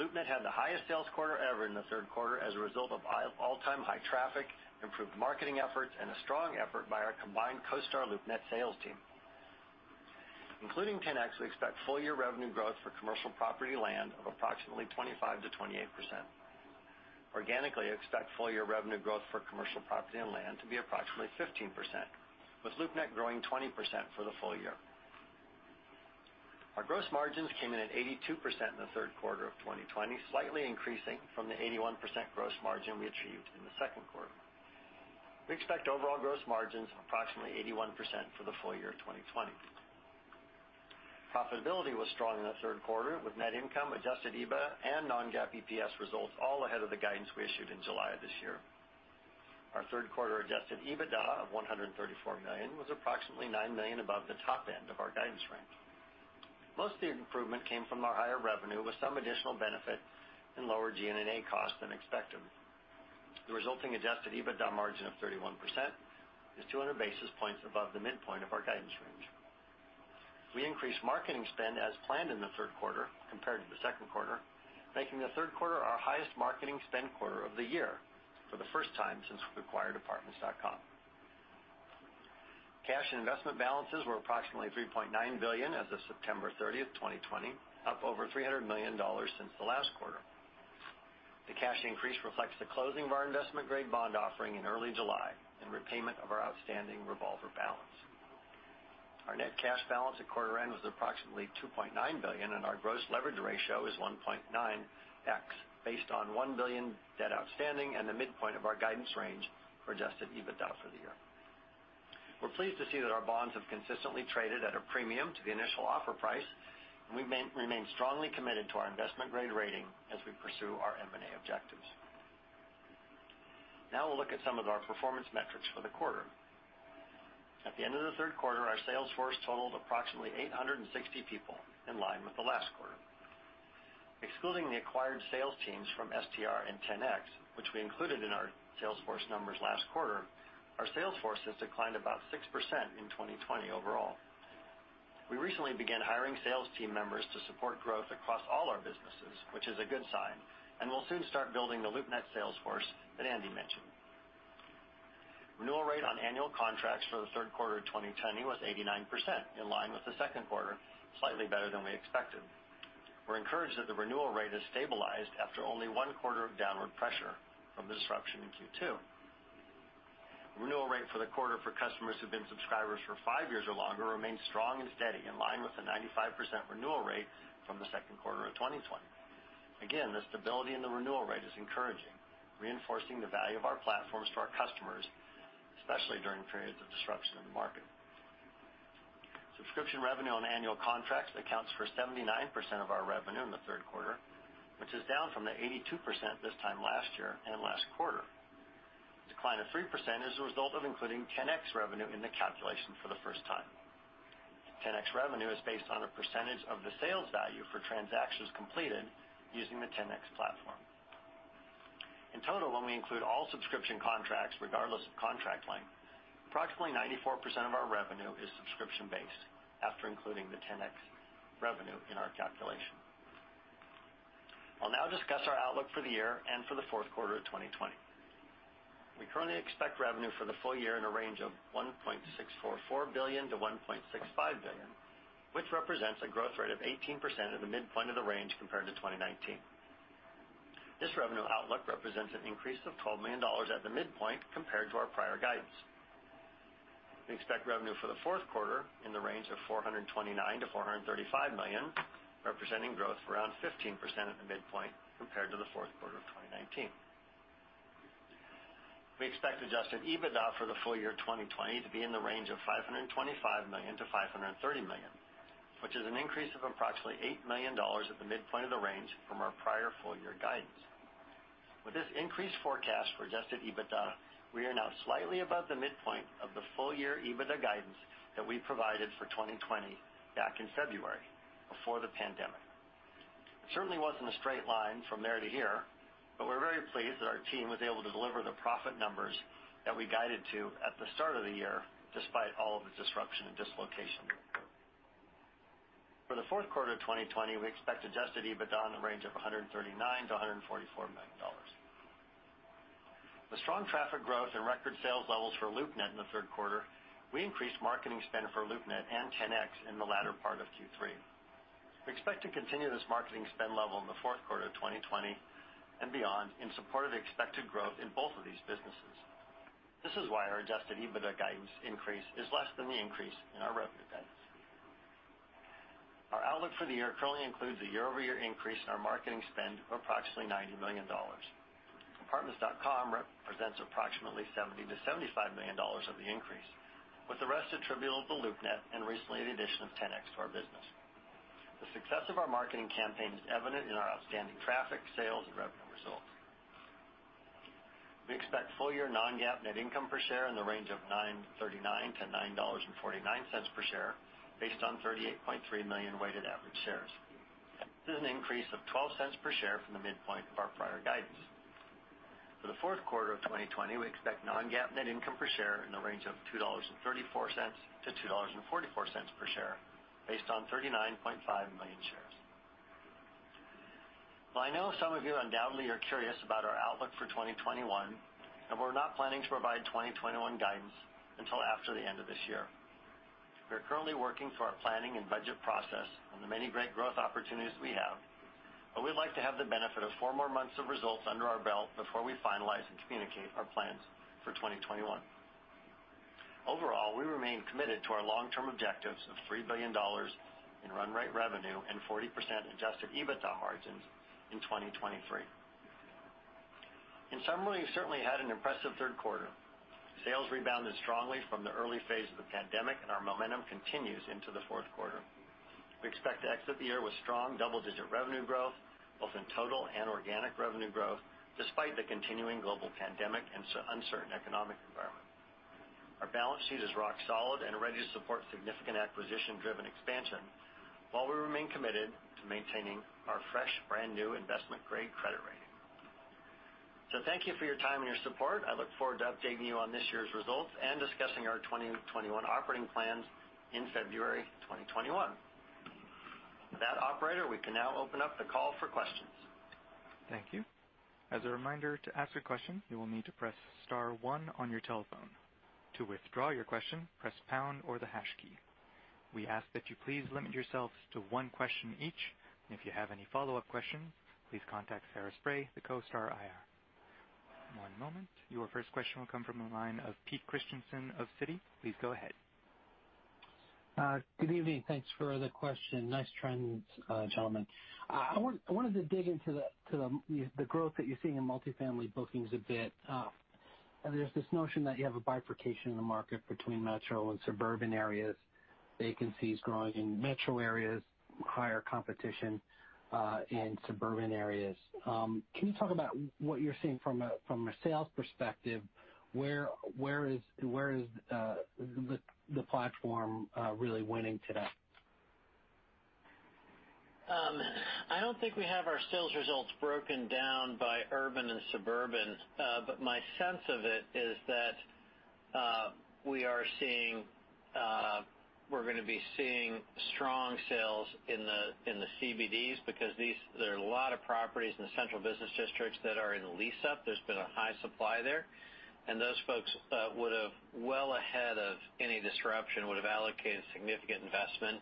Speaker 4: LoopNet had the highest sales quarter ever in the third quarter as a result of all-time high traffic, improved marketing efforts, and a strong effort by our combined CoStar LoopNet sales team. Including Ten-X, we expect full year revenue growth for commercial property land of approximately 25%-28%. Organically, expect full year revenue growth for commercial property and land to be approximately 15%, with LoopNet growing 20% for the full year. Our gross margins came in at 82% in the third quarter of 2020, slightly increasing from the 81% gross margin we achieved in the second quarter. We expect overall gross margins of approximately 81% for the full year 2020. Profitability was strong in the third quarter with net income, adjusted EBITDA, and non-GAAP EPS results all ahead of the guidance we issued in July of this year. Our third quarter adjusted EBITDA of $134 million was approximately $9 million above the top end of our guidance range. Most of the improvement came from our higher revenue, with some additional benefit in lower G&A costs than expected. The resulting adjusted EBITDA margin of 31% is 200 basis points above the midpoint of our guidance range. We increased marketing spend as planned in the third quarter compared to the second quarter, making the third quarter our highest marketing spend quarter of the year for the first time since we acquired Apartments.com. Cash and investment balances were approximately $3.9 billion as of September 30, 2020, up over $300 million since the last quarter. The cash increase reflects the closing of our investment-grade bond offering in early July and repayment of our outstanding revolver balance. Our net cash balance at quarter end was approximately $2.9 billion, and our gross leverage ratio is 1.9x, based on $1 billion debt outstanding and the midpoint of our guidance range for adjusted EBITDA for the year. We're pleased to see that our bonds have consistently traded at a premium to the initial offer price, and we remain strongly committed to our investment-grade rating as we pursue our M&A objectives. Now we'll look at some of our performance metrics for the quarter. At the end of the third quarter, our sales force totaled approximately 860 people, in line with the last quarter. Excluding the acquired sales teams from STR and Ten-X, which we included in our sales force numbers last quarter, our sales force has declined about 6% in 2020 overall. We recently began hiring sales team members to support growth across all our businesses, which is a good sign, and we'll soon start building the LoopNet sales force that Andy mentioned. Renewal rate on annual contracts for the third quarter 2020 was 89%, in line with the second quarter, slightly better than we expected. We're encouraged that the renewal rate has stabilized after only one quarter of downward pressure from the disruption in Q2. Renewal rate for the quarter for customers who've been subscribers for five years or longer remains strong and steady, in line with the 95% renewal rate from the second quarter of 2020. Again, the stability in the renewal rate is encouraging, reinforcing the value of our platforms to our customers, especially during periods of disruption in the market. Subscription revenue on annual contracts accounts for 79% of our revenue in the third quarter, which is down from the 82% this time last year and last quarter. Decline of 3% is a result of including Ten-X revenue in the calculation for the first time. Ten-X revenue is based on a percentage of the sales value for transactions completed using the Ten-X platform. In total, when we include all subscription contracts regardless of contract length, approximately 94% of our revenue is subscription-based after including the Ten-X revenue in our calculation. I'll now discuss our outlook for the year and for the fourth quarter of 2020. We currently expect revenue for the full year in a range of $1.644 billion-$1.65 billion, which represents a growth rate of 18% at the midpoint of the range compared to 2019. This revenue outlook represents an increase of $12 million at the midpoint compared to our prior guidance. We expect revenue for the fourth quarter in the range of $429 million-$435 million, representing growth of around 15% at the midpoint compared to the fourth quarter of 2019. We expect adjusted EBITDA for the full year 2020 to be in the range of $525 million-$530 million, which is an increase of approximately $8 million at the midpoint of the range from our prior full year guidance. With this increased forecast for adjusted EBITDA, we are now slightly above the midpoint of the full year EBITDA guidance that we provided for 2020 back in February before the pandemic. It certainly wasn't a straight line from there to here, but we're very pleased that our team was able to deliver the profit numbers that we guided to at the start of the year, despite all of the disruption and dislocation. For the fourth quarter of 2020, we expect adjusted EBITDA in the range of $139 million-$144 million. With strong traffic growth and record sales levels for LoopNet in the third quarter, we increased marketing spend for LoopNet and Ten-X in the latter part of Q3. We expect to continue this marketing spend level in the fourth quarter of 2020 and beyond in support of the expected growth in both of these businesses. This is why our adjusted EBITDA guidance increase is less than the increase in our revenue guidance. Our outlook for the year currently includes a year-over-year increase in our marketing spend of approximately $90 million. Apartments.com represents approximately $70 million-$75 million of the increase, with the rest attributable to LoopNet and recently the addition of Ten-X to our business. The success of our marketing campaign is evident in our outstanding traffic, sales, and revenue results. We expect full-year non-GAAP net income per share in the range of $9.39-$9.49 per share based on 38.3 million weighted average shares. This is an increase of $0.12 per share from the midpoint of our prior guidance. For the fourth quarter of 2020, we expect non-GAAP net income per share in the range of $2.34-$2.44 per share based on 39.5 million shares. While I know some of you undoubtedly are curious about our outlook for 2021, we're not planning to provide 2021 guidance until after the end of this year. We are currently working through our planning and budget process on the many great growth opportunities we have, but we'd like to have the benefit of four more months of results under our belt before we finalize and communicate our plans for 2021. Overall, we remain committed to our long-term objectives of $3 billion in run rate revenue and 40% adjusted EBITDA margins in 2023. In summary, we've certainly had an impressive third quarter. Sales rebounded strongly from the early phase of the pandemic, and our momentum continues into the fourth quarter. We expect to exit the year with strong double-digit revenue growth, both in total and organic revenue growth, despite the continuing global pandemic and uncertain economic environment. Our balance sheet is rock solid and ready to support significant acquisition-driven expansion, while we remain committed to maintaining our fresh brand-new investment-grade credit rating. Thank you for your time and your support. I look forward to updating you on this year's results and discussing our 2021 operating plans in February 2021. With that, operator, we can now open up the call for questions.
Speaker 1: Thank you. As a reminder, to ask a question, you will need to press star one on your telephone. To withdraw your question, press pound or the hash key. We ask that you please limit yourselves to one question each. If you have any follow-up questions, please contact Sarah Spray, the CoStar IR. One moment. Your first question will come from the line of Pete Christiansen of Citi. Please go ahead.
Speaker 5: Good evening. Thanks for the question. Nice trends, gentlemen. I wanted to dig into the growth that you're seeing in multifamily bookings a bit. There's this notion that you have a bifurcation in the market between metro and suburban areas, vacancies growing in metro areas, higher competition in suburban areas. Can you talk about what you're seeing from a sales perspective? Where is the platform really winning today?
Speaker 4: I don't think we have our sales results broken down by urban and suburban. My sense of it is that we're going to be seeing strong sales in the CBDs because there are a lot of properties in the central business districts that are in lease-up. There's been a high supply there. Those folks would have, well ahead of any disruption, would have allocated significant investment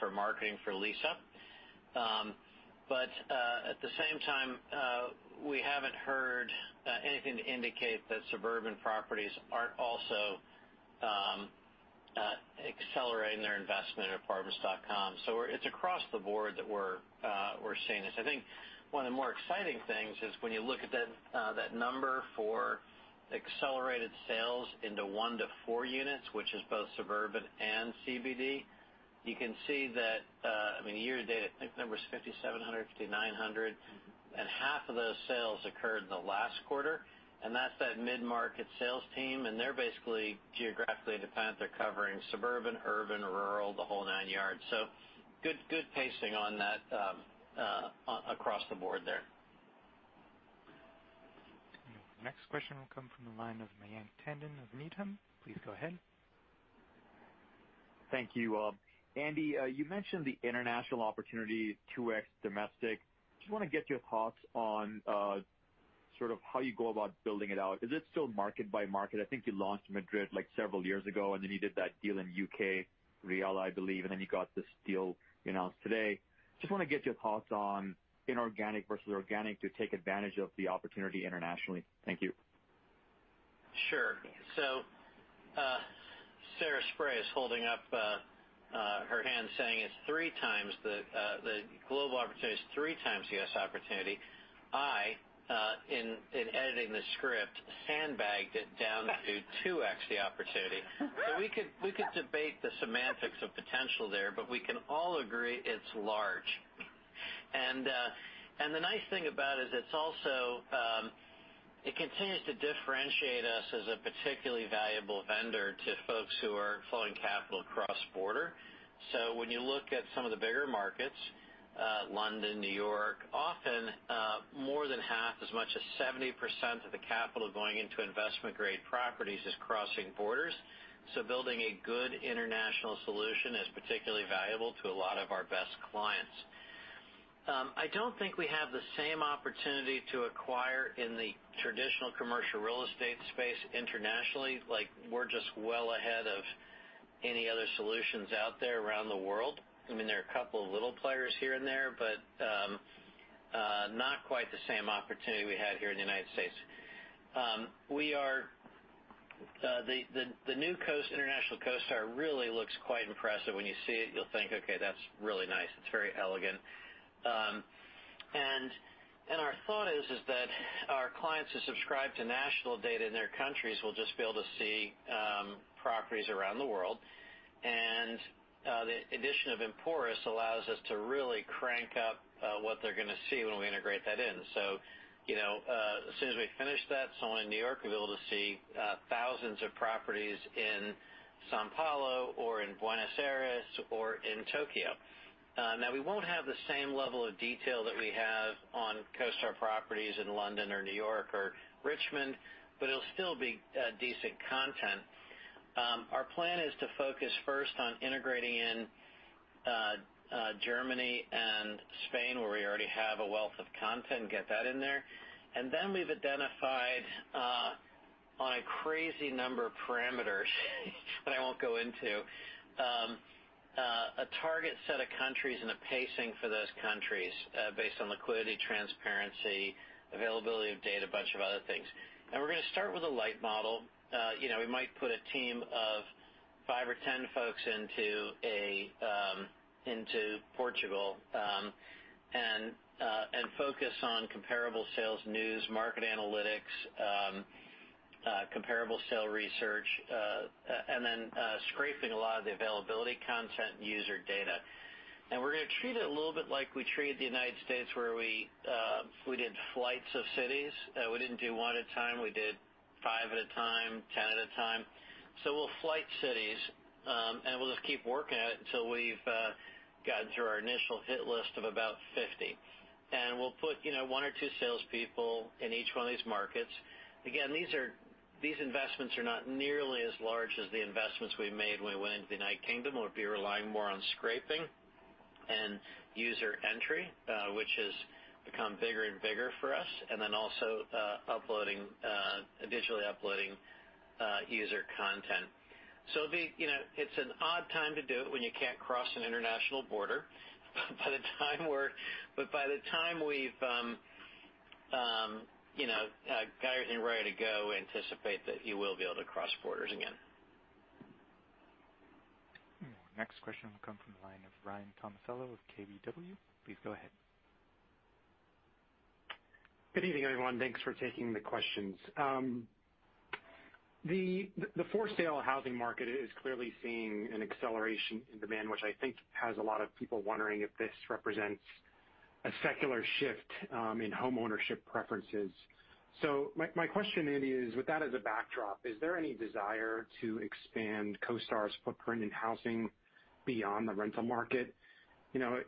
Speaker 4: for marketing for lease-up. At the same time, we haven't heard anything to indicate that suburban properties aren't also accelerating their investment at Apartments.com. It's across the board that we're seeing this. I think one of the more exciting things is when you look at that number for accelerated sales into one to four units, which is both suburban and CBD, you can see that, year-to-date, I think the number is 5,700, 5,900, and half of those sales occurred in the last quarter. That's that mid-market sales team, and they're basically geographically independent. They're covering suburban, urban, rural, the whole nine yards. Good pacing on that across the board there.
Speaker 1: Next question will come from the line of Mayank Tandon of Needham. Please go ahead.
Speaker 6: Thank you. Andy, you mentioned the international opportunity, 2x domestic. Just want to get your thoughts on how you go about building it out. Is it still market by market? I think you launched Madrid several years ago, and then you did that deal in U.K., Realla, I believe, and then you got this deal announced today. Just want to get your thoughts on inorganic versus organic to take advantage of the opportunity internationally. Thank you.
Speaker 3: Sure. Sarah Spray is holding up her hand saying the global opportunity is three times the U.S. opportunity. I, in editing the script, handbagged it down to two x the opportunity. We could debate the semantics of potential there, but we can all agree it's large. The nice thing about it is it's also It continues to differentiate us as a particularly valuable vendor to folks who are flowing capital across border. When you look at some of the bigger markets, London, New York, often, more than half, as much as 70% of the capital going into investment-grade properties is crossing borders. Building a good international solution is particularly valuable to a lot of our best clients. I don't think we have the same opportunity to acquire in the traditional commercial real estate space internationally. We're just well ahead of any other solutions out there around the world. There are a couple of little players here and there, but not quite the same opportunity we had here in the United States. The new international CoStar really looks quite impressive. When you see it, you'll think, "Okay, that's really nice. It's very elegant. Our thought is that our clients who subscribe to national data in their countries will just be able to see properties around the world. The addition of Emporis allows us to really crank up what they're going to see when we integrate that in. As soon as we finish that, someone in New York will be able to see thousands of properties in São Paulo or in Buenos Aires or in Tokyo. We won't have the same level of detail that we have on CoStar properties in London or New York or Richmond, but it'll still be decent content. Our plan is to focus first on integrating in Germany and Spain, where we already have a wealth of content, get that in there. Then we've identified, on a crazy number of parameters, that I won't go into, a target set of countries and a pacing for those countries, based on liquidity, transparency, availability of data, bunch of other things. We're going to start with a light model. We might put a team of five or 10 folks into Portugal, and focus on comparable sales news, market analytics, comparable sale research, and then scraping a lot of the availability content and user data. We're going to treat it a little bit like we treated the United States, where we did flights of cities. We didn't do one at a time. We did five at a time, 10 at a time. We'll flight cities, and we'll just keep working at it until we've gotten through our initial hit list of about 50. We'll put one or two salespeople in each one of these markets. Again, these investments are not nearly as large as the investments we made when we went into the United Kingdom. We'll be relying more on scraping and user entry, which has become bigger and bigger for us. Also digitally uploading user content. It's an odd time to do it when you can't cross an international border. By the time we've geared and ready to go, anticipate that you will be able to cross borders again.
Speaker 1: Next question will come from the line of Ryan Tomasello of KBW. Please go ahead.
Speaker 7: Good evening, everyone. Thanks for taking the questions. The for-sale housing market is clearly seeing an acceleration in demand, which I think has a lot of people wondering if this represents a secular shift in home ownership preferences. My question is, with that as a backdrop, is there any desire to expand CoStar's footprint in housing beyond the rental market?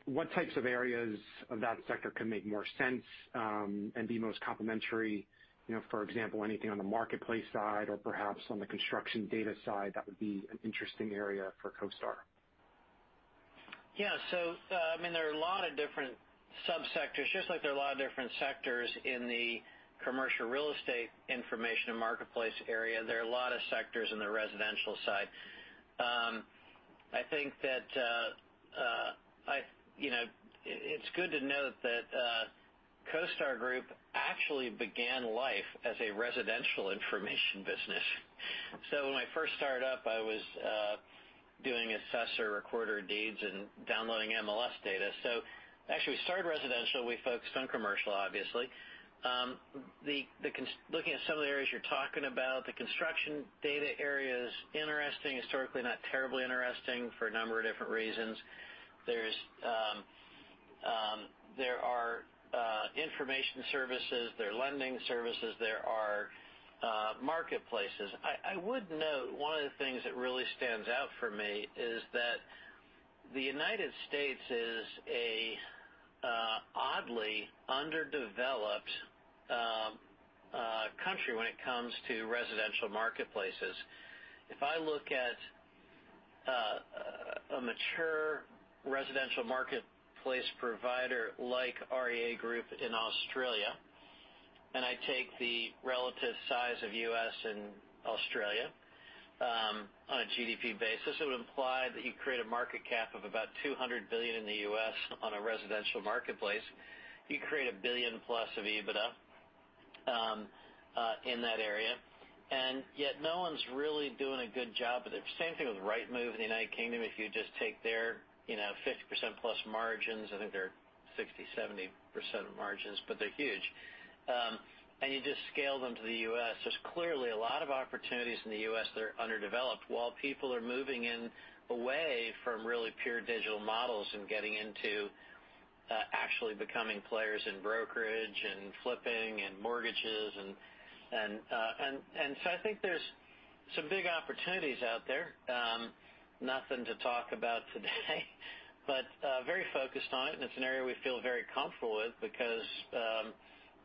Speaker 7: What types of areas of that sector could make more sense, and be most complementary? For example, anything on the marketplace side or perhaps on the construction data side that would be an interesting area for CoStar?
Speaker 3: Yeah. There are a lot of different subsectors, just like there are a lot of different sectors in the commercial real estate information and marketplace area. There are a lot of sectors in the residential side. I think that it's good to note that CoStar Group actually began life as a residential information business. When I first started up, I was doing assessor recorder deeds and downloading MLS data. Actually, we started residential. We focused on commercial, obviously. Looking at some of the areas you're talking about, the construction data area's interesting. Historically, not terribly interesting for a number of different reasons. There are information services, there are lending services, there are marketplaces. I would note, one of the things that really stands out for me is that the United States is an oddly underdeveloped country when it comes to residential marketplaces. If I look at a mature residential marketplace provider like REA Group in Australia, I take the relative size of U.S. and Australia on a GDP basis, it would imply that you create a market cap of about $200 billion in the U.S. on a residential marketplace. You create a $1 billion plus of EBITDA in that area, yet no one's really doing a good job of it. Same thing with Rightmove in the United Kingdom. If you just take their 50% plus margins, I think they're 60%, 70% margins, they're huge. You just scale them to the U.S., there's Opportunities in the U.S. that are underdeveloped while people are moving in away from really pure digital models and getting into actually becoming players in brokerage and flipping and mortgages and I think there's some big opportunities out there. Nothing to talk about today but very focused on it, and it's an area we feel very comfortable with because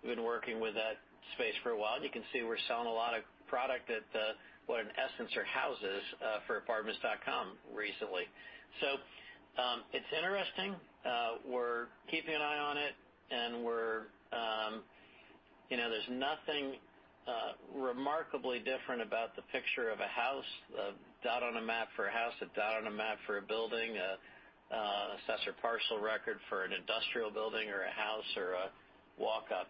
Speaker 3: we've been working with that space for a while. You can see we're selling a lot of product that, what in essence are houses for Apartments.com recently. It's interesting. We're keeping an eye on it and there's nothing remarkably different about the picture of a house, a dot on a map for a house, a dot on a map for a building, an assessor parcel record for an industrial building or a house or a walk-up.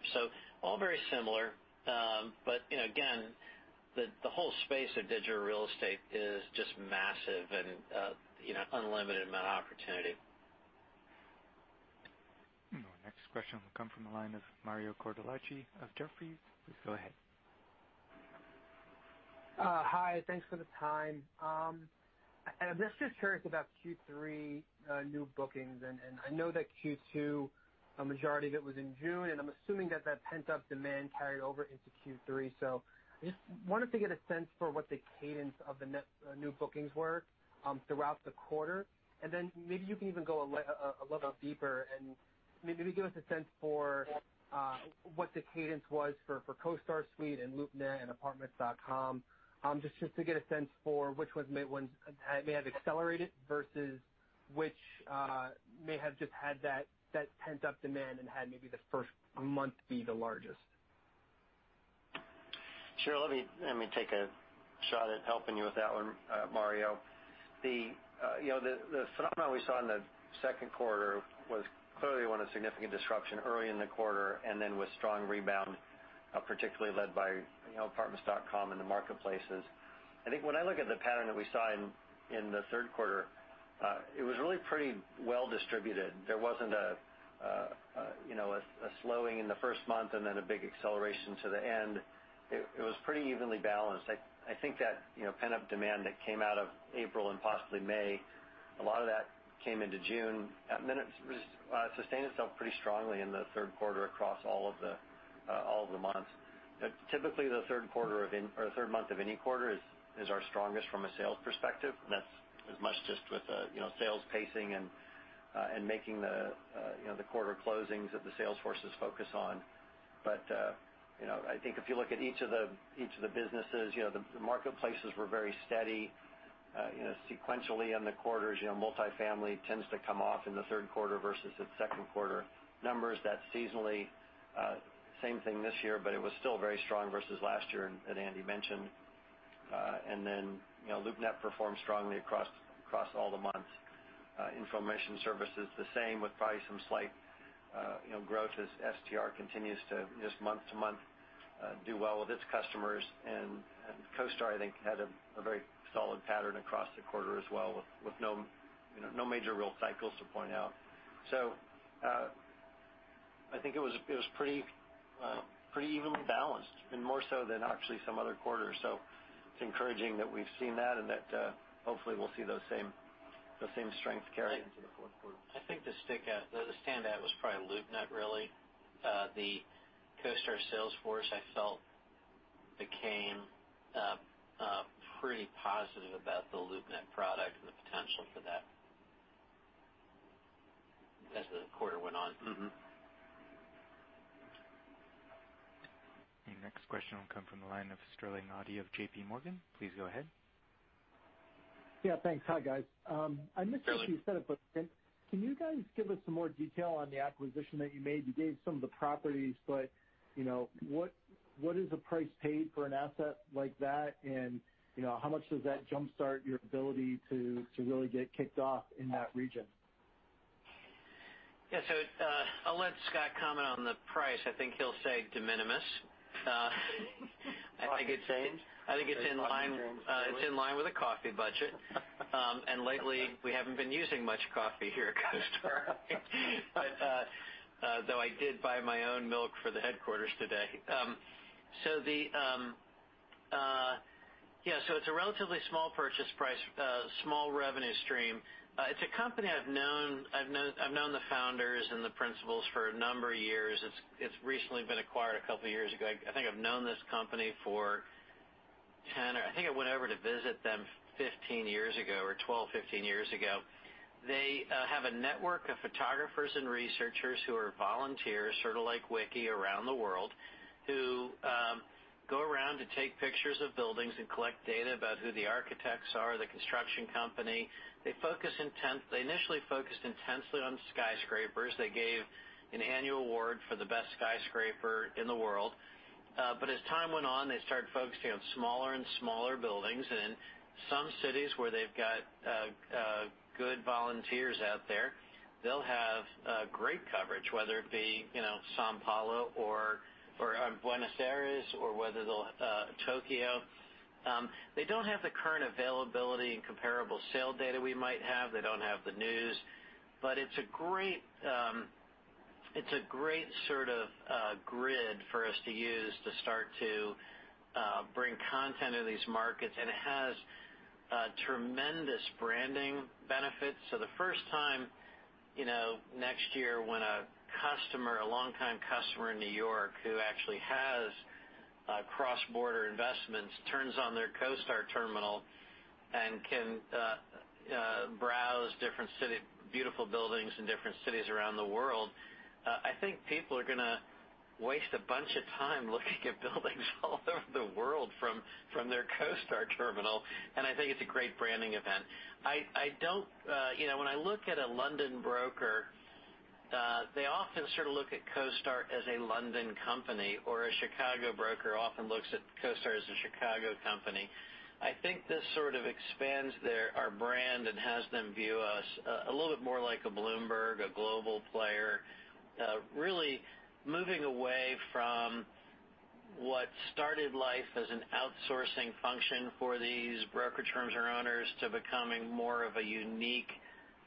Speaker 3: All very similar. Again, the whole space of digital real estate is just massive and unlimited amount of opportunity.
Speaker 1: Next question will come from the line of Mario Cortellacci of Jefferies. Please go ahead.
Speaker 8: Hi, thanks for the time. I'm just curious about Q3 new bookings, and I know that Q2, a majority of it was in June, and I'm assuming that pent-up demand carried over into Q3. I just wanted to get a sense for what the cadence of the net new bookings were, throughout the quarter. Then maybe you can even go a level deeper and maybe give us a sense for what the cadence was for CoStar Suite and LoopNet and Apartments.com. Just to get a sense for which ones may have accelerated versus which may have just had that pent-up demand and had maybe the first month be the largest.
Speaker 4: Sure. Let me take a shot at helping you with that one, Mario. The phenomenon we saw in the second quarter was clearly one of significant disruption early in the quarter and then with strong rebound, particularly led by Apartments.com and the marketplaces. I think when I look at the pattern that we saw in the third quarter, it was really pretty well distributed. There wasn't a slowing in the first month and then a big acceleration to the end. It was pretty evenly balanced. I think that pent-up demand that came out of April and possibly May, a lot of that came into June. It sustained itself pretty strongly in the third quarter across all of the months. Typically, the third month of any quarter is our strongest from a sales perspective, and that's as much just with sales pacing and making the quarter closings that the sales forces focus on. I think if you look at each of the businesses, the marketplaces were very steady. Sequentially in the quarters, multifamily tends to come off in the third quarter versus its second quarter numbers. That's seasonally the same thing this year, it was still very strong versus last year, as Andy mentioned. LoopNet performed strongly across all the months. Information services the same with probably some slight growth as STR continues to just month to month do well with its customers. CoStar, I think, had a very solid pattern across the quarter as well with no major real cycles to point out. I think it was pretty evenly balanced, and more so than actually some other quarters. It's encouraging that we've seen that and that hopefully we'll see those same strengths carry into the fourth quarter.
Speaker 3: I think the standout was probably LoopNet really. The CoStar sales force, I felt, became pretty positive about the LoopNet product and the potential for that as the quarter went on.
Speaker 1: The next question will come from the line of Sterling Auty of JPMorgan. Please go ahead.
Speaker 9: Yeah, thanks. Hi, guys.
Speaker 4: Sterling.
Speaker 9: I missed what you said up front. Can you guys give us some more detail on the acquisition that you made? You gave some of the properties, but what is the price paid for an asset like that? How much does that jumpstart your ability to really get kicked off in that region?
Speaker 3: Yeah. I'll let Scott comment on the price. I think he'll say de minimis. I think it's in line with a coffee budget. Lately, we haven't been using much coffee here at CoStar. Though I did buy my own milk for the headquarters today. It's a relatively small purchase price, small revenue stream. It's a company I've known the founders and the principals for a number of years. It's recently been acquired a couple of years ago. I think I've known this company for 10 I think I went over to visit them 15 years ago or 12, 15 years ago. They have a network of photographers and researchers who are volunteers, sort of like Wiki around the world, who go around to take pictures of buildings and collect data about who the architects are, the construction company. They initially focused intensely on skyscrapers. They gave an annual award for the best skyscraper in the world. As time went on, they started focusing on smaller and smaller buildings. In some cities where they've got good volunteers out there, they'll have great coverage, whether it be São Paulo or Buenos Aires or whether Tokyo. They don't have the current availability and comparable sale data we might have. They don't have the news. It's a great grid for us to use to start to bring content into these markets, and it has tremendous branding benefits. The first time next year when a longtime customer in New York who actually has cross-border investments turns on their CoStar terminal and can browse beautiful buildings in different cities around the world, I think people are going to waste a bunch of time looking at buildings all over the world from their CoStar terminal. I think it's a great branding event. When I look at a London broker, they often sort of look at CoStar as a London company, or a Chicago broker often looks at CoStar as a Chicago company. I think this sort of expands our brand and has them view us a little bit more like a Bloomberg, a global player. Really moving away from what started life as an outsourcing function for these broker firms or owners to becoming more of a unique,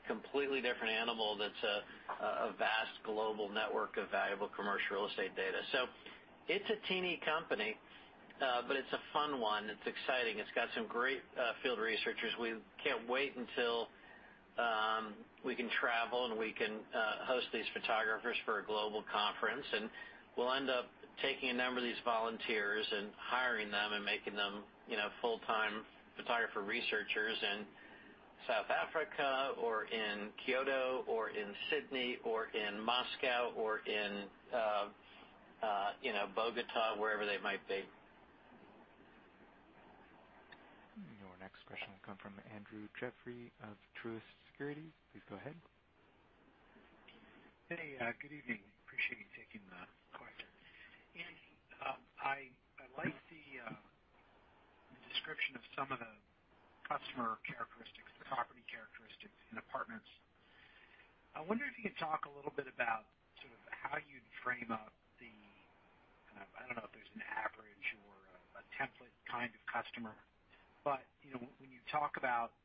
Speaker 3: completely different animal that's a vast global network of valuable commercial real estate data. It's a teeny company, but it's a fun one. It's exciting. It's got some great field researchers. We can't wait until we can travel, and we can host these photographers for a global conference. We'll end up taking a number of these volunteers and hiring them and making them full-time photographer researchers in South Africa or in Kyoto or in Sydney or in Moscow or in Bogotá, wherever they might be.
Speaker 1: Your next question will come from Andrew Jeffrey of Truist Securities. Please go ahead.
Speaker 10: Hey, good evening. Appreciate you taking the question. Andy, I liked the description of some of the customer characteristics, the property characteristics in Apartments.com. I wonder if you could talk a little bit about how you'd frame up the, I don't know if there's an average or a template kind of customer, but when you talk about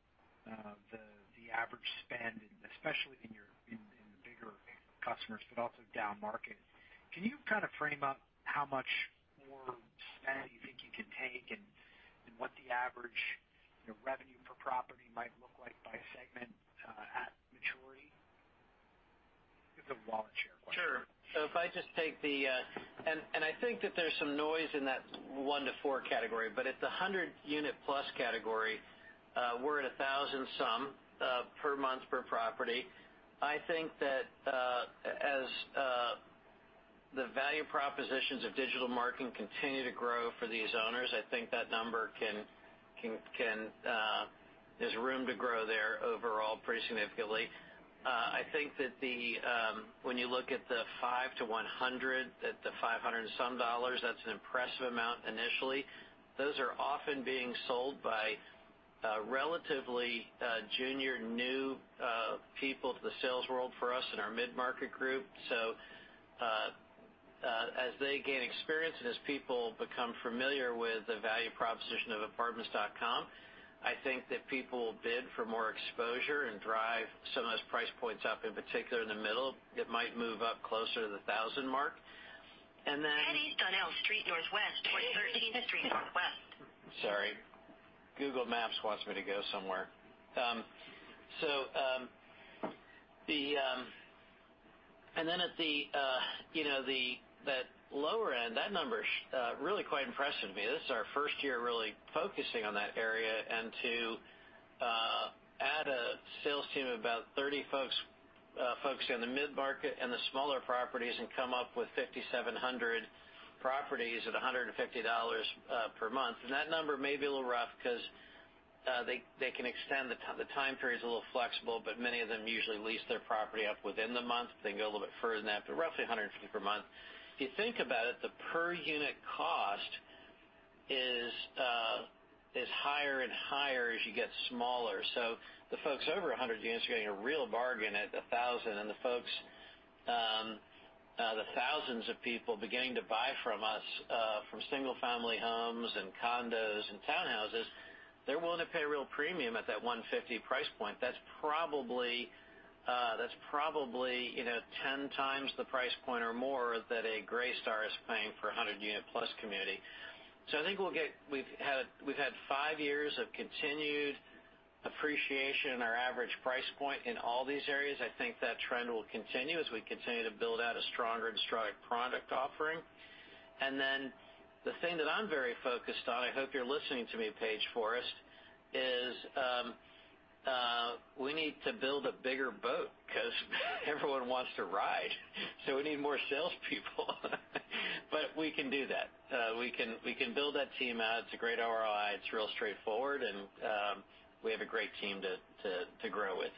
Speaker 10: the average spend, especially in the bigger customers, but also down market, can you kind of frame up how much more spend you think you can take and what the average revenue per property might look like by segment at maturity? It's a volunteer question.
Speaker 3: Sure. I think that there's some noise in that one to four category, but at the 100-unit plus category, we're at $1,000 some per month per property. I think that as the value propositions of digital marketing continue to grow for these owners, there's room to grow there overall pretty significantly. I think that when you look at the five to 100, at the $500 and some, that's an impressive amount initially. Those are often being sold by relatively junior, new people to the sales world for us in our mid-market group. As they gain experience and as people become familiar with the value proposition of Apartments.com, I think that people will bid for more exposure and drive some of those price points up, in particular in the middle. It might move up closer to the $1,000 mark. Sorry. Google Maps wants me to go somewhere. At that lower end, that number's really quite impressive to me. This is our first year really focusing on that area, to add a sales team of about 30 folks focusing on the mid-market and the smaller properties and come up with 5,700 properties at $150 per month. That number may be a little rough because they can extend, the time period's a little flexible, but many of them usually lease their property up within the month. They can go a little bit further than that, but roughly $150 per month. If you think about it, the per unit cost is higher and higher as you get smaller. The folks over 100 units are getting a real bargain at $1,000, and the thousands of people beginning to buy from us, from single-family homes and condos and townhouses, they're willing to pay a real premium at that $150 price point. That's probably 10 times the price point or more that a Greystar is paying for 100-unit plus community. I think we've had five years of continued appreciation in our average price point in all these areas. I think that trend will continue as we continue to build out a stronger and stronger product offering. The thing that I'm very focused on, I hope you're listening to me, Paige Forrest, is we need to build a bigger boat because everyone wants to ride, so we need more salespeople. We can do that. We can build that team out. It's a great ROI, it's real straightforward, and we have a great team to grow with.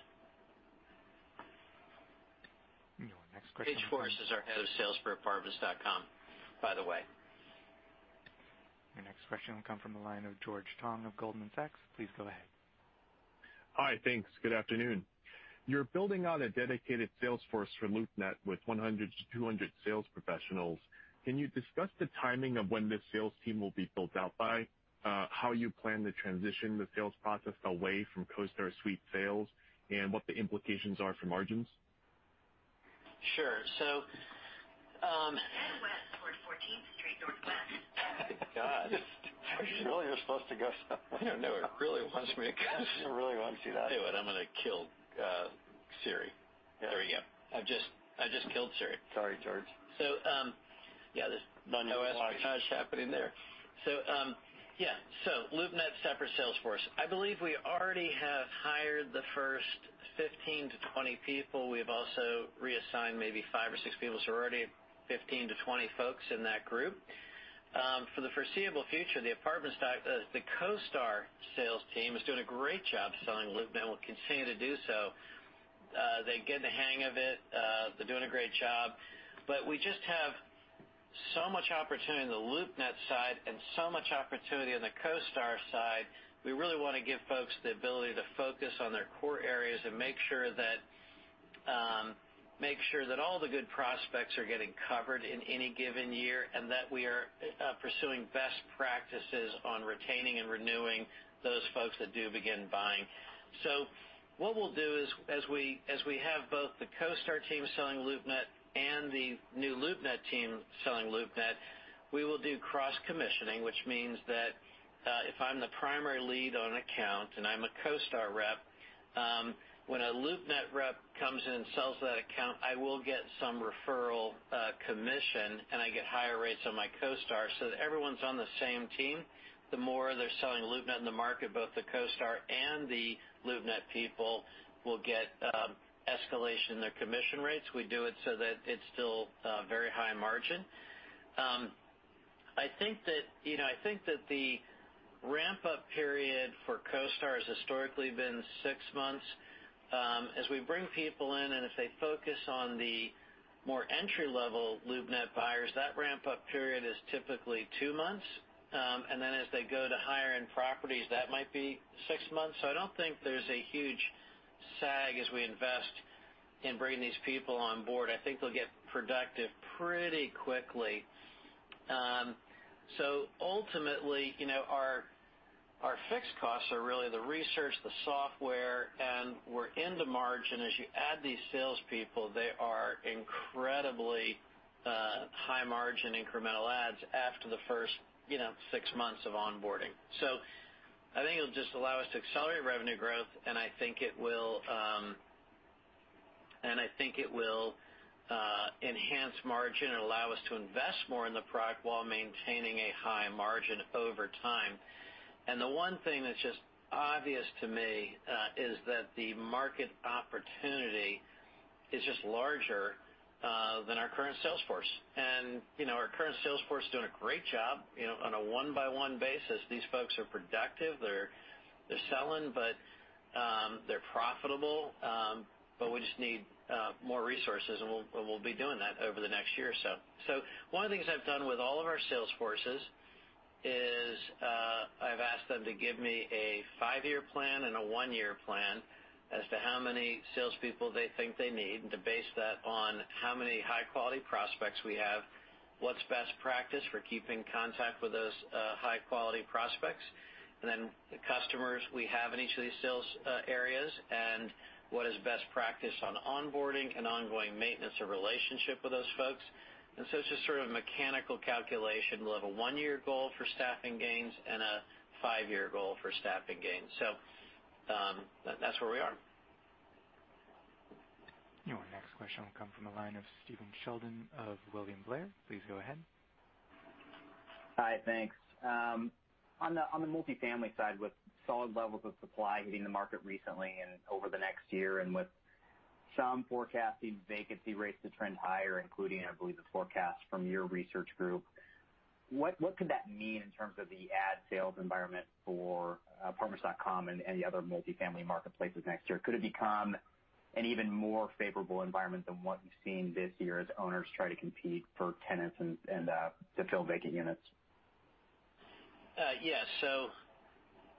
Speaker 1: Your next question.
Speaker 3: Paige Forrest is our head of sales for Apartments.com, by the way.
Speaker 1: Your next question will come from the line of George Tong of Goldman Sachs. Please go ahead.
Speaker 11: Hi. Thanks. Good afternoon. You're building out a dedicated sales force for LoopNet with 100-200 sales professionals. Can you discuss the timing of when this sales team will be built out by, how you plan to transition the sales process away from CoStar Suite sales, and what the implications are for margins?
Speaker 3: Sure.
Speaker 4: God. Surely you're supposed to go.
Speaker 3: I know. It really wants me to go.
Speaker 4: It really wants you to.
Speaker 3: I'm going to kill Siri.
Speaker 4: Yeah.
Speaker 3: There we go. I've just killed Siri.
Speaker 4: Sorry, George.
Speaker 3: So, yeah, there's-
Speaker 4: A bunch of watch.
Speaker 3: OS happening there. Yeah. LoopNet separate sales force. I believe we already have hired the first 15-20 people. We have also reassigned maybe five or six people. We're already at 15-20 folks in that group. For the foreseeable future, the CoStar sales team is doing a great job selling LoopNet, and will continue to do so. They're getting the hang of it. They're doing a great job. We just have so much opportunity on the LoopNet side and so much opportunity on the CoStar side. We really want to give folks the ability to focus on their core areas and make sure that all the good prospects are getting covered in any given year, and that we are pursuing best practices on retaining and renewing those folks that do begin buying. What we'll do is, as we have both the CoStar team selling LoopNet and the new LoopNet team selling LoopNet, we will do cross-commissioning, which means that, if I'm the primary lead on an account and I'm a CoStar rep, when a LoopNet rep comes in and sells that account, I will get some referral commission, and I get higher rates on my CoStar so that everyone's on the same team. The more they're selling LoopNet in the market, both the CoStar and the LoopNet people will get escalation in their commission rates. We do it so that it's still very high margin. I think that the ramp-up period for CoStar has historically been six months. As we bring people in and if they focus on the more entry-level LoopNet buyers, that ramp-up period is typically two months. As they go to higher-end properties, that might be six months. I don't think there's a huge sag as we invest in bringing these people on board. I think they'll get productive pretty quickly. Ultimately, our fixed costs are really the research, the software, and we're in the margin. As you add these salespeople, they are incredibly high-margin incremental adds after the first six months of onboarding. I think it'll just allow us to accelerate revenue growth, and I think it will enhance margin and allow us to invest more in the product while maintaining a high margin over time. The one thing that's just obvious to me is that the market opportunity is just larger than our current sales force. Our current sales force is doing a great job on a one-by-one basis. These folks are productive. They're selling, but they're profitable. We just need more resources, and we'll be doing that over the next year or so. One of the things I've done with all of our sales forces is, I've asked them to give me a five-year plan and a one-year plan as to how many salespeople they think they need, and to base that on how many high-quality prospects we have, what's best practice for keeping contact with those high-quality prospects, and then the customers we have in each of these sales areas, and what is best practice on onboarding and ongoing maintenance or relationship with those folks. It's just sort of a mechanical calculation. We'll have a one-year goal for staffing gains and a five-year goal for staffing gains. That's where we are.
Speaker 1: Your next question will come from the line of Stephen Sheldon of William Blair. Please go ahead.
Speaker 12: Hi, thanks. On the multifamily side, with solid levels of supply hitting the market recently and over the next year, and with some forecasting vacancy rates to trend higher, including, I believe, the forecast from your research group, what could that mean in terms of the ad sales environment for Apartments.com and the other multifamily marketplaces next year? Could it become an even more favorable environment than what we've seen this year as owners try to compete for tenants and to fill vacant units?
Speaker 3: Yes.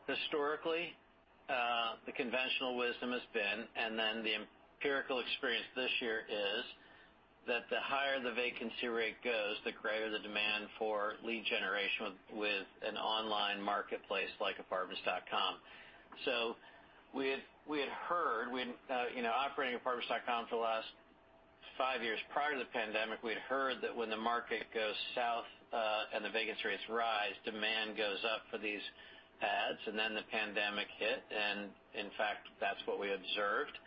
Speaker 3: Historically, the conventional wisdom has been, and then the empirical experience this year is, that the higher the vacancy rate goes, the greater the demand for lead generation with an online marketplace like Apartments.com. We had heard, operating Apartments.com for the last five years prior to the pandemic, we'd heard that when the market goes south, and the vacancy rates rise, demand goes up for these ads, and then the pandemic hit. In fact, that's what we observed.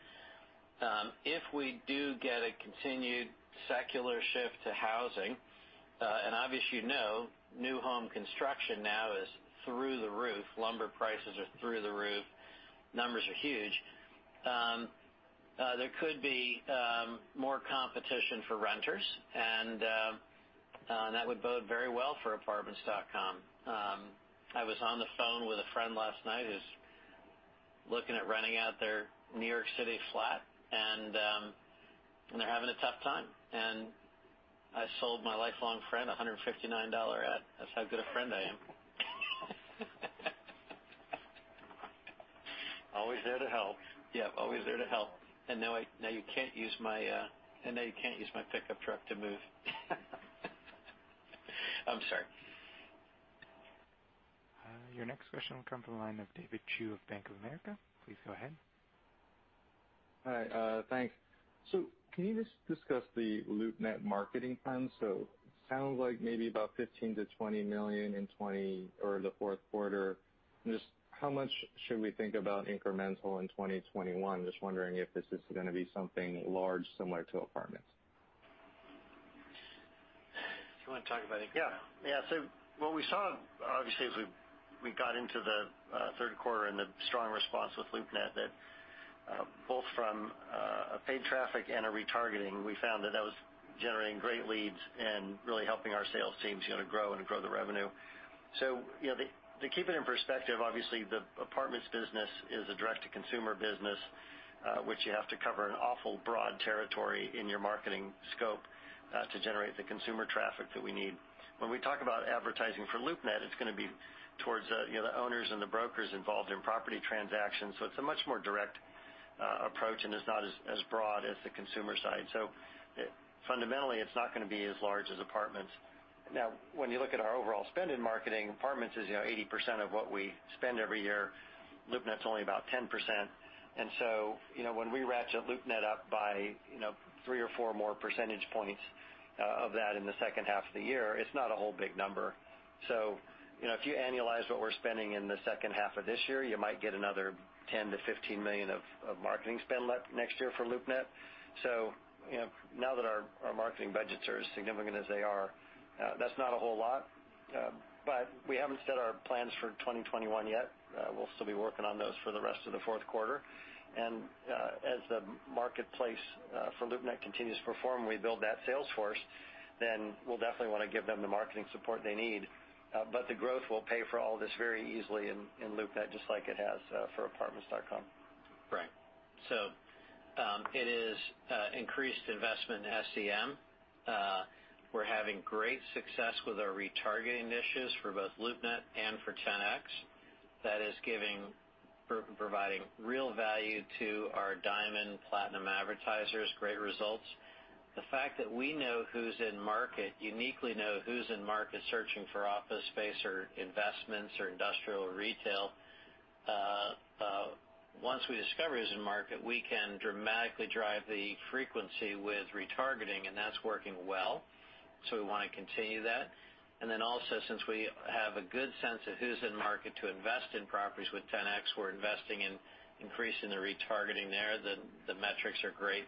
Speaker 3: If we do get a continued secular shift to housing, and obviously you know, new home construction now is through the roof. Lumber prices are through the roof. Numbers are huge. There could be more competition for renters, that would bode very well for Apartments.com. I was on the phone with a friend last night who's looking at renting out their New York City flat, and they're having a tough time. I sold my lifelong friend a $159 ad. That's how good a friend I am.
Speaker 4: Always there to help.
Speaker 3: Yeah, always there to help. Now you can't use my pickup truck to move.
Speaker 1: Your next question will come from the line of Jitaek Chu of Bank of America. Please go ahead.
Speaker 13: Hi. Thanks. Can you just discuss the LoopNet marketing plan? Sounds like maybe about $15 million-$20 million in the fourth quarter. Just how much should we think about incremental in 2021? Just wondering if this is going to be something large, similar to Apartments.
Speaker 3: Do you want to talk about it, Scott?
Speaker 4: Yeah. What we saw, obviously, as we got into the third quarter and the strong response with LoopNet, that both from a paid traffic and a retargeting, we found that that was generating great leads and really helping our sales teams grow and grow the revenue. To keep it in perspective, obviously, the Apartments business is a direct-to-consumer business, which you have to cover an awful broad territory in your marketing scope to generate the consumer traffic that we need. When we talk about advertising for LoopNet, it's going to be towards the owners and the brokers involved in property transactions. It's a much more direct approach, and it's not as broad as the consumer side. Fundamentally, it's not going to be as large as Apartments. Now, when you look at our overall spend in marketing, Apartments is 80% of what we spend every year. LoopNet's only about 10%. When we ratchet LoopNet up by three or four more percentage points of that in the second half of the year, it's not a whole big number. If you annualize what we're spending in the second half of this year, you might get another $10 million-$15 million of marketing spend next year for LoopNet. Now that our marketing budgets are as significant as they are, that's not a whole lot. We haven't set our plans for 2021 yet. We'll still be working on those for the rest of the fourth quarter. As the marketplace for LoopNet continues to perform, we build that sales force, then we'll definitely want to give them the marketing support they need. The growth will pay for all this very easily in LoopNet, just like it has for Apartments.com.
Speaker 3: Right. It is increased investment in SEM. We're having great success with our retargeting initiatives for both LoopNet and for Ten-X. That is providing real value to our Diamond Platinum advertisers, great results. The fact that we know who's in market, uniquely know who's in market searching for office space or investments or industrial or retail. Once we discover who's in market, we can dramatically drive the frequency with retargeting, and that's working well, so we want to continue that. Then also, since we have a good sense of who's in market to invest in properties with Ten-X, we're investing in increasing the retargeting there. The metrics are great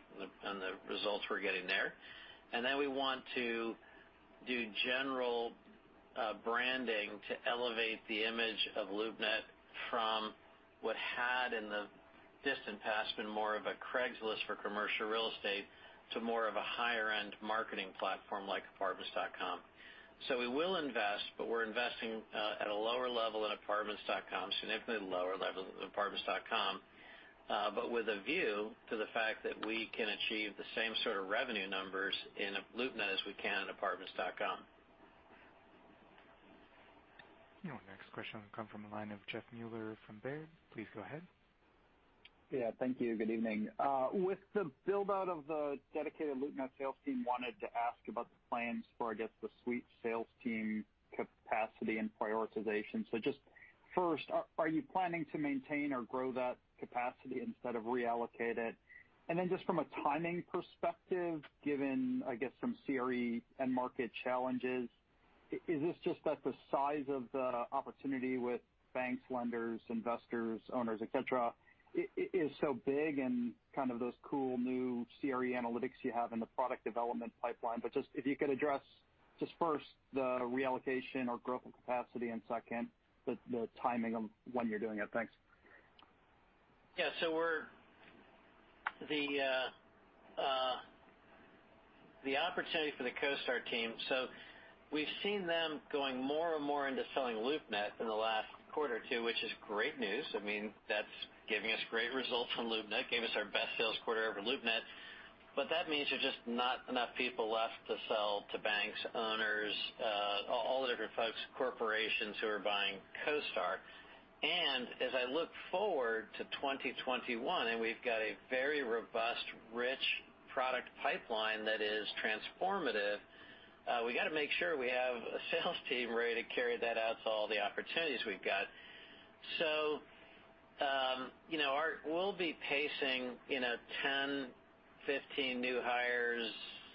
Speaker 3: on the results we're getting there. We want to do general branding to elevate the image of LoopNet from what had, in the distant past, been more of a Craigslist for commercial real estate, to more of a higher-end marketing platform like Apartments.com. We will invest, but we're investing at a lower level than Apartments.com, significantly lower level than Apartments.com. With a view to the fact that we can achieve the same sort of revenue numbers in LoopNet as we can in Apartments.com.
Speaker 1: Your next question will come from the line of Jeff Meuler from Baird. Please go ahead.
Speaker 14: Yeah, thank you. Good evening. With the build-out of the dedicated LoopNet sales team, wanted to ask about the plans for, I guess, the Suite sales team capacity and prioritization. Just first, are you planning to maintain or grow that capacity instead of reallocate it? Just from a timing perspective, given, I guess, some CRE end market challenges, is this just that the size of the opportunity with banks, lenders, investors, owners, et cetera, is so big and kind of those cool new CRE analytics you have in the product development pipeline? Just if you could address, just first, the reallocation or growth of capacity, and second, the timing of when you're doing it. Thanks.
Speaker 3: Yeah. The opportunity for the CoStar team. We've seen them going more and more into selling LoopNet in the last quarter too, which is great news. That's giving us great results from LoopNet, gave us our best sales quarter ever, LoopNet. That means you're just not enough people left to sell to banks, owners, all the different folks, corporations who are buying CoStar. As I look forward to 2021, and we've got a very robust, rich product pipeline that is transformative, we got to make sure we have a sales team ready to carry that out to all the opportunities we've got. We'll be pacing 10, 15 new hires,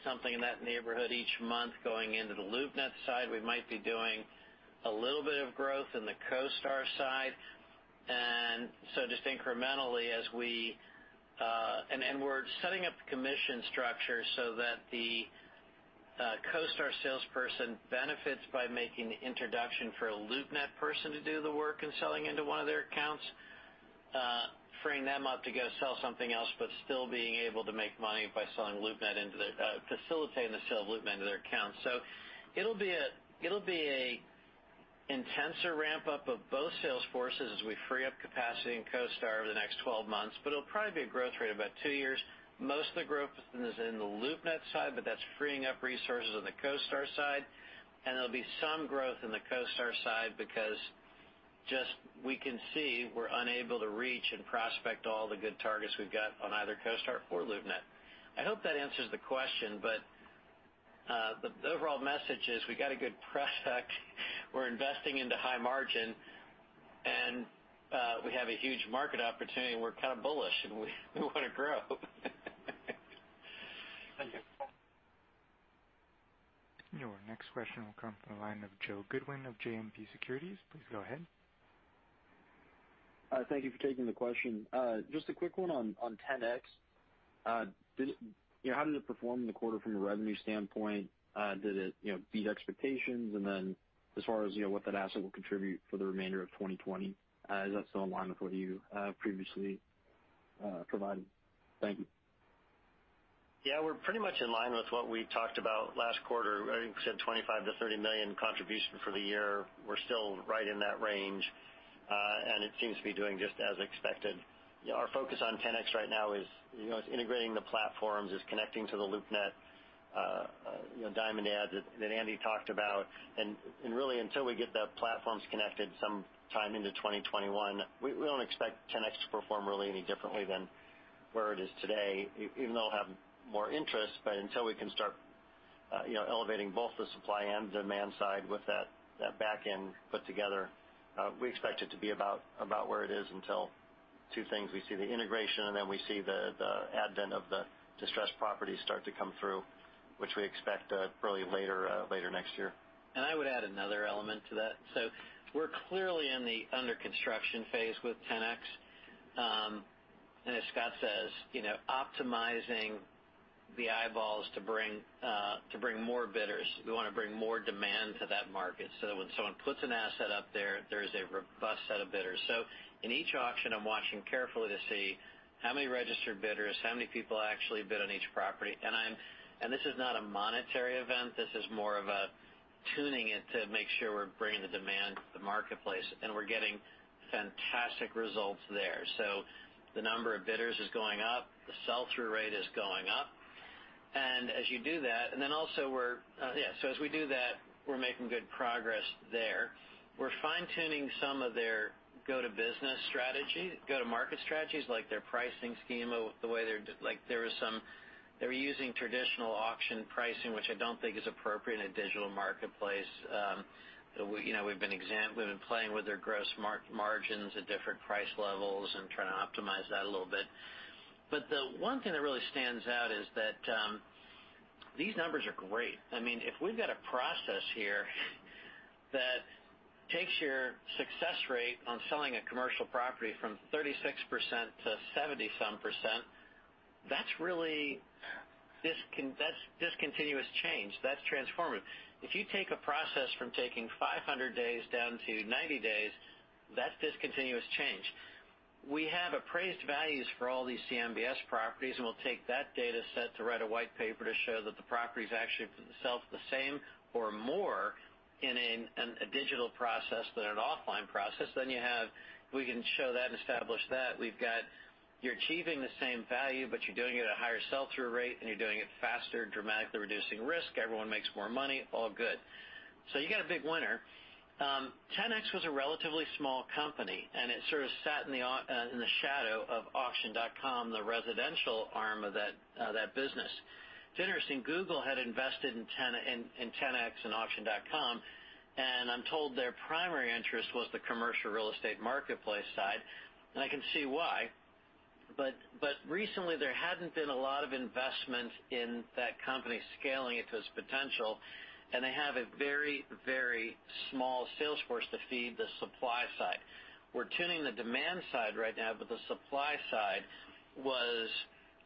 Speaker 3: something in that neighborhood each month going into the LoopNet side. We might be doing a little bit of growth in the CoStar side. Just incrementally as we're setting up the commission structure so that the CoStar salesperson benefits by making the introduction for a LoopNet person to do the work in selling into one of their accounts, freeing them up to go sell something else, but still being able to make money by facilitating the sale of LoopNet into their accounts. It'll be an intenser ramp-up of both sales forces as we free up capacity in CoStar over the next 12 months. It'll probably be a growth rate of about two years. Most of the growth is in the LoopNet side, but that's freeing up resources on the CoStar side, and there'll be some growth in the CoStar side because just we can see we're unable to reach and prospect all the good targets we've got on either CoStar or LoopNet. I hope that answers the question.
Speaker 4: The overall message is we got a good product, we're investing into high margin, and we have a huge market opportunity, and we're kind of bullish and we want to grow.
Speaker 14: Thank you.
Speaker 1: Your next question will come from the line of Joe Goodwin of JMP Securities. Please go ahead.
Speaker 15: Thank you for taking the question. Just a quick one on Ten-X. How did it perform in the quarter from a revenue standpoint? Did it beat expectations? As far as what that asset will contribute for the remainder of 2020, is that still in line with what you previously provided? Thank you.
Speaker 4: Yeah, we're pretty much in line with what we talked about last quarter. I think we said $25 million to $30 million contribution for the year. We're still right in that range, and it seems to be doing just as expected. Our focus on Ten-X right now is integrating the platforms, is connecting to the LoopNet Diamond Ads that Andy talked about. Really, until we get the platforms connected some time into 2021, we don't expect Ten-X to perform really any differently than where it is today. Even though it'll have more interest, until we can start elevating both the supply and demand side with that back end put together, we expect it to be about where it is until two things: We see the integration, and then we see the advent of the distressed properties start to come through, which we expect probably later next year.
Speaker 3: I would add another element to that. We're clearly in the under-construction phase with Ten-X. As Scott says, optimizing the eyeballs to bring more bidders. We want to bring more demand to that market so that when someone puts an asset up there's a robust set of bidders. In each auction, I'm watching carefully to see how many registered bidders, how many people actually bid on each property. This is not a monetary event, this is more of a tuning it to make sure we're bringing the demand to the marketplace. We're getting fantastic results there. The number of bidders is going up, the sell-through rate is going up. As you do that, we're making good progress there. We're fine-tuning some of their go-to-market strategies, like their pricing scheme. They were using traditional auction pricing, which I don't think is appropriate in a digital marketplace. We've been playing with their gross margins at different price levels and trying to optimize that a little bit. The one thing that really stands out is that these numbers are great. If we've got a process here that takes your success rate on selling a commercial property from 36% to 70-some%, that's discontinuous change. That's transformative. If you take a process from taking 500 days down to 90 days, that's discontinuous change. We have appraised values for all these CMBS properties, and we'll take that data set to write a white paper to show that the property is actually sell for the same or more in a digital process than an offline process. If we can show that and establish that, you're achieving the same value, but you're doing it at a higher sell-through rate, and you're doing it faster, dramatically reducing risk. Everyone makes more money. All good. You got a big winner. Ten-X was a relatively small company, and it sort of sat in the shadow of Auction.com, the residential arm of that business. It's interesting, Google had invested in Ten-X and Auction.com, and I'm told their primary interest was the commercial real estate marketplace side, and I can see why. Recently, there hadn't been a lot of investment in that company, scaling it to its potential, and they have a very small salesforce to feed the supply side. We're tuning the demand side right now, but the supply side was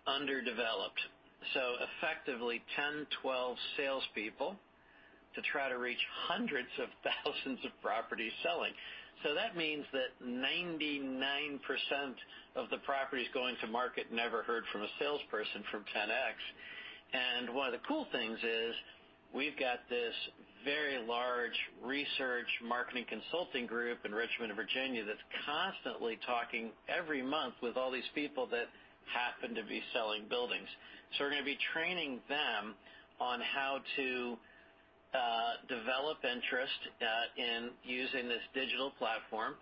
Speaker 3: underdeveloped. Effectively 10, 12 salespeople to try to reach hundreds of thousands of properties selling. That means that 99% of the properties going to market never heard from a salesperson from Ten-X. One of the cool things is we've got this very large research marketing consulting group in Richmond, Virginia, that's constantly talking every month with all these people that happen to be selling buildings. We're going to be training them on how to develop interest in using this digital platform,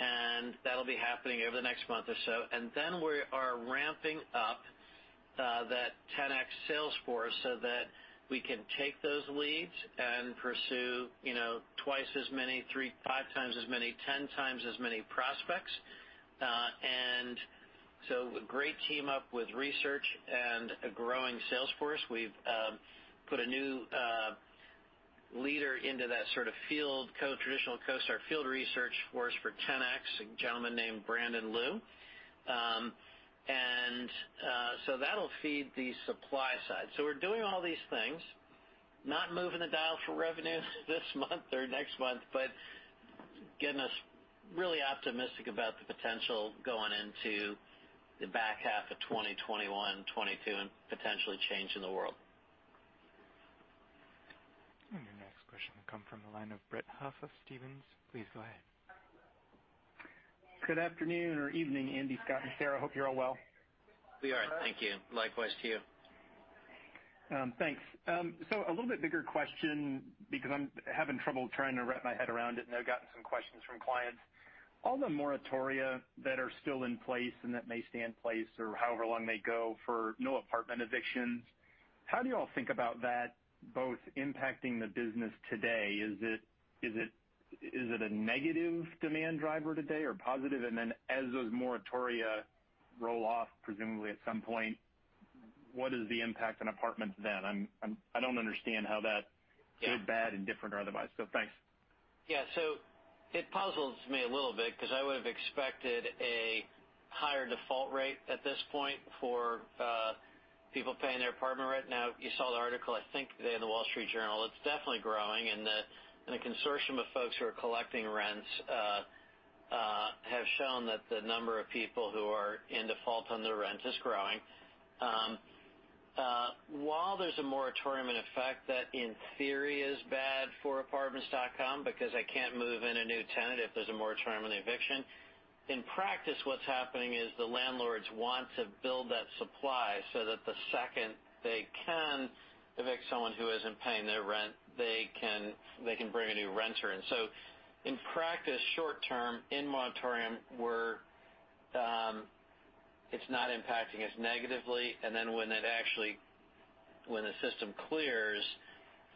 Speaker 3: and that'll be happening over the next month or so. Then we are ramping up that Ten-X salesforce so that we can take those leads and pursue twice as many, three, five times as many, 10 times as many prospects. A great team up with research and a growing salesforce. We've put a new leader into that sort of field, traditional CoStar field research force for Ten-X, a gentleman named Brandon Liu. That'll feed the supply side. We're doing all these things, not moving the dial for revenue this month or next month, but getting us really optimistic about the potential going into the back half of 2021, 2022, and potentially changing the world.
Speaker 1: Your next question will come from the line of Brett Huff of Stephens. Please go ahead.
Speaker 16: Good afternoon or evening, Andy, Scott, and Sarah. Hope you're all well.
Speaker 4: We are, thank you. Likewise to you.
Speaker 16: Thanks. A little bit bigger question because I'm having trouble trying to wrap my head around it, and I've gotten some questions from clients. All the moratoria that are still in place and that may stay in place or however long they go for no apartment evictions, how do you all think about that both impacting the business today? Is it a negative demand driver today or positive? As those moratoria roll off, presumably at some point, what is the impact on apartments then?
Speaker 3: Yeah.
Speaker 16: I don't understand how good, bad, indifferent, or otherwise. Thanks.
Speaker 3: Yeah. It puzzles me a little bit because I would've expected a higher default rate at this point for people paying their apartment rent. Now, you saw the article, I think today in "The Wall Street Journal," it's definitely growing, and the consortium of folks who are collecting rents have shown that the number of people who are in default on their rent is growing. While there's a moratorium in effect, that in theory is bad for Apartments.com because I can't move in a new tenant if there's a moratorium on eviction. In practice, what's happening is the landlords want to build that supply so that the second they can evict someone who isn't paying their rent, they can bring a new renter in. In practice, short term, in moratorium, it's not impacting us negatively. When the system clears,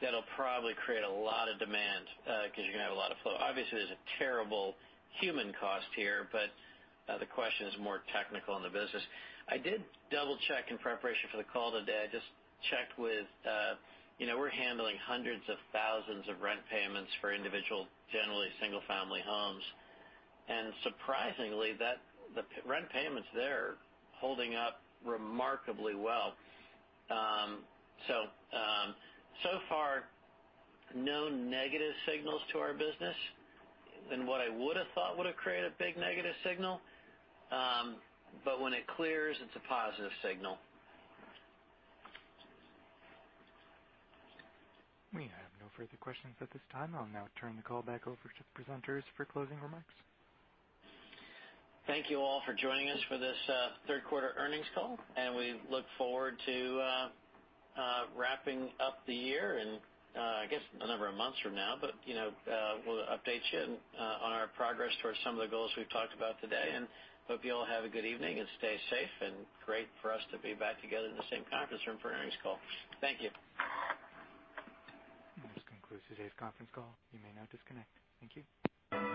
Speaker 3: that'll probably create a lot of demand, because you're going to have a lot of flow. Obviously, there's a terrible human cost here, but the question is more technical in the business. I did double-check in preparation for the call today. I just checked with, we're handling hundreds of thousands of rent payments for individual, generally single-family homes. Surprisingly, the rent payments there are holding up remarkably well. So far, no negative signals to our business than what I would've thought would've created a big negative signal. When it clears, it's a positive signal.
Speaker 1: We have no further questions at this time. I'll now turn the call back over to the presenters for closing remarks.
Speaker 3: Thank you all for joining us for this third quarter earnings call, and we look forward to wrapping up the year in, I guess, a number of months from now. We'll update you on our progress towards some of the goals we've talked about today. We hope you all have a good evening and stay safe. It's great for us to be back together in the same conference room for an earnings call. Thank you.
Speaker 1: This concludes today's conference call. You may now disconnect. Thank you.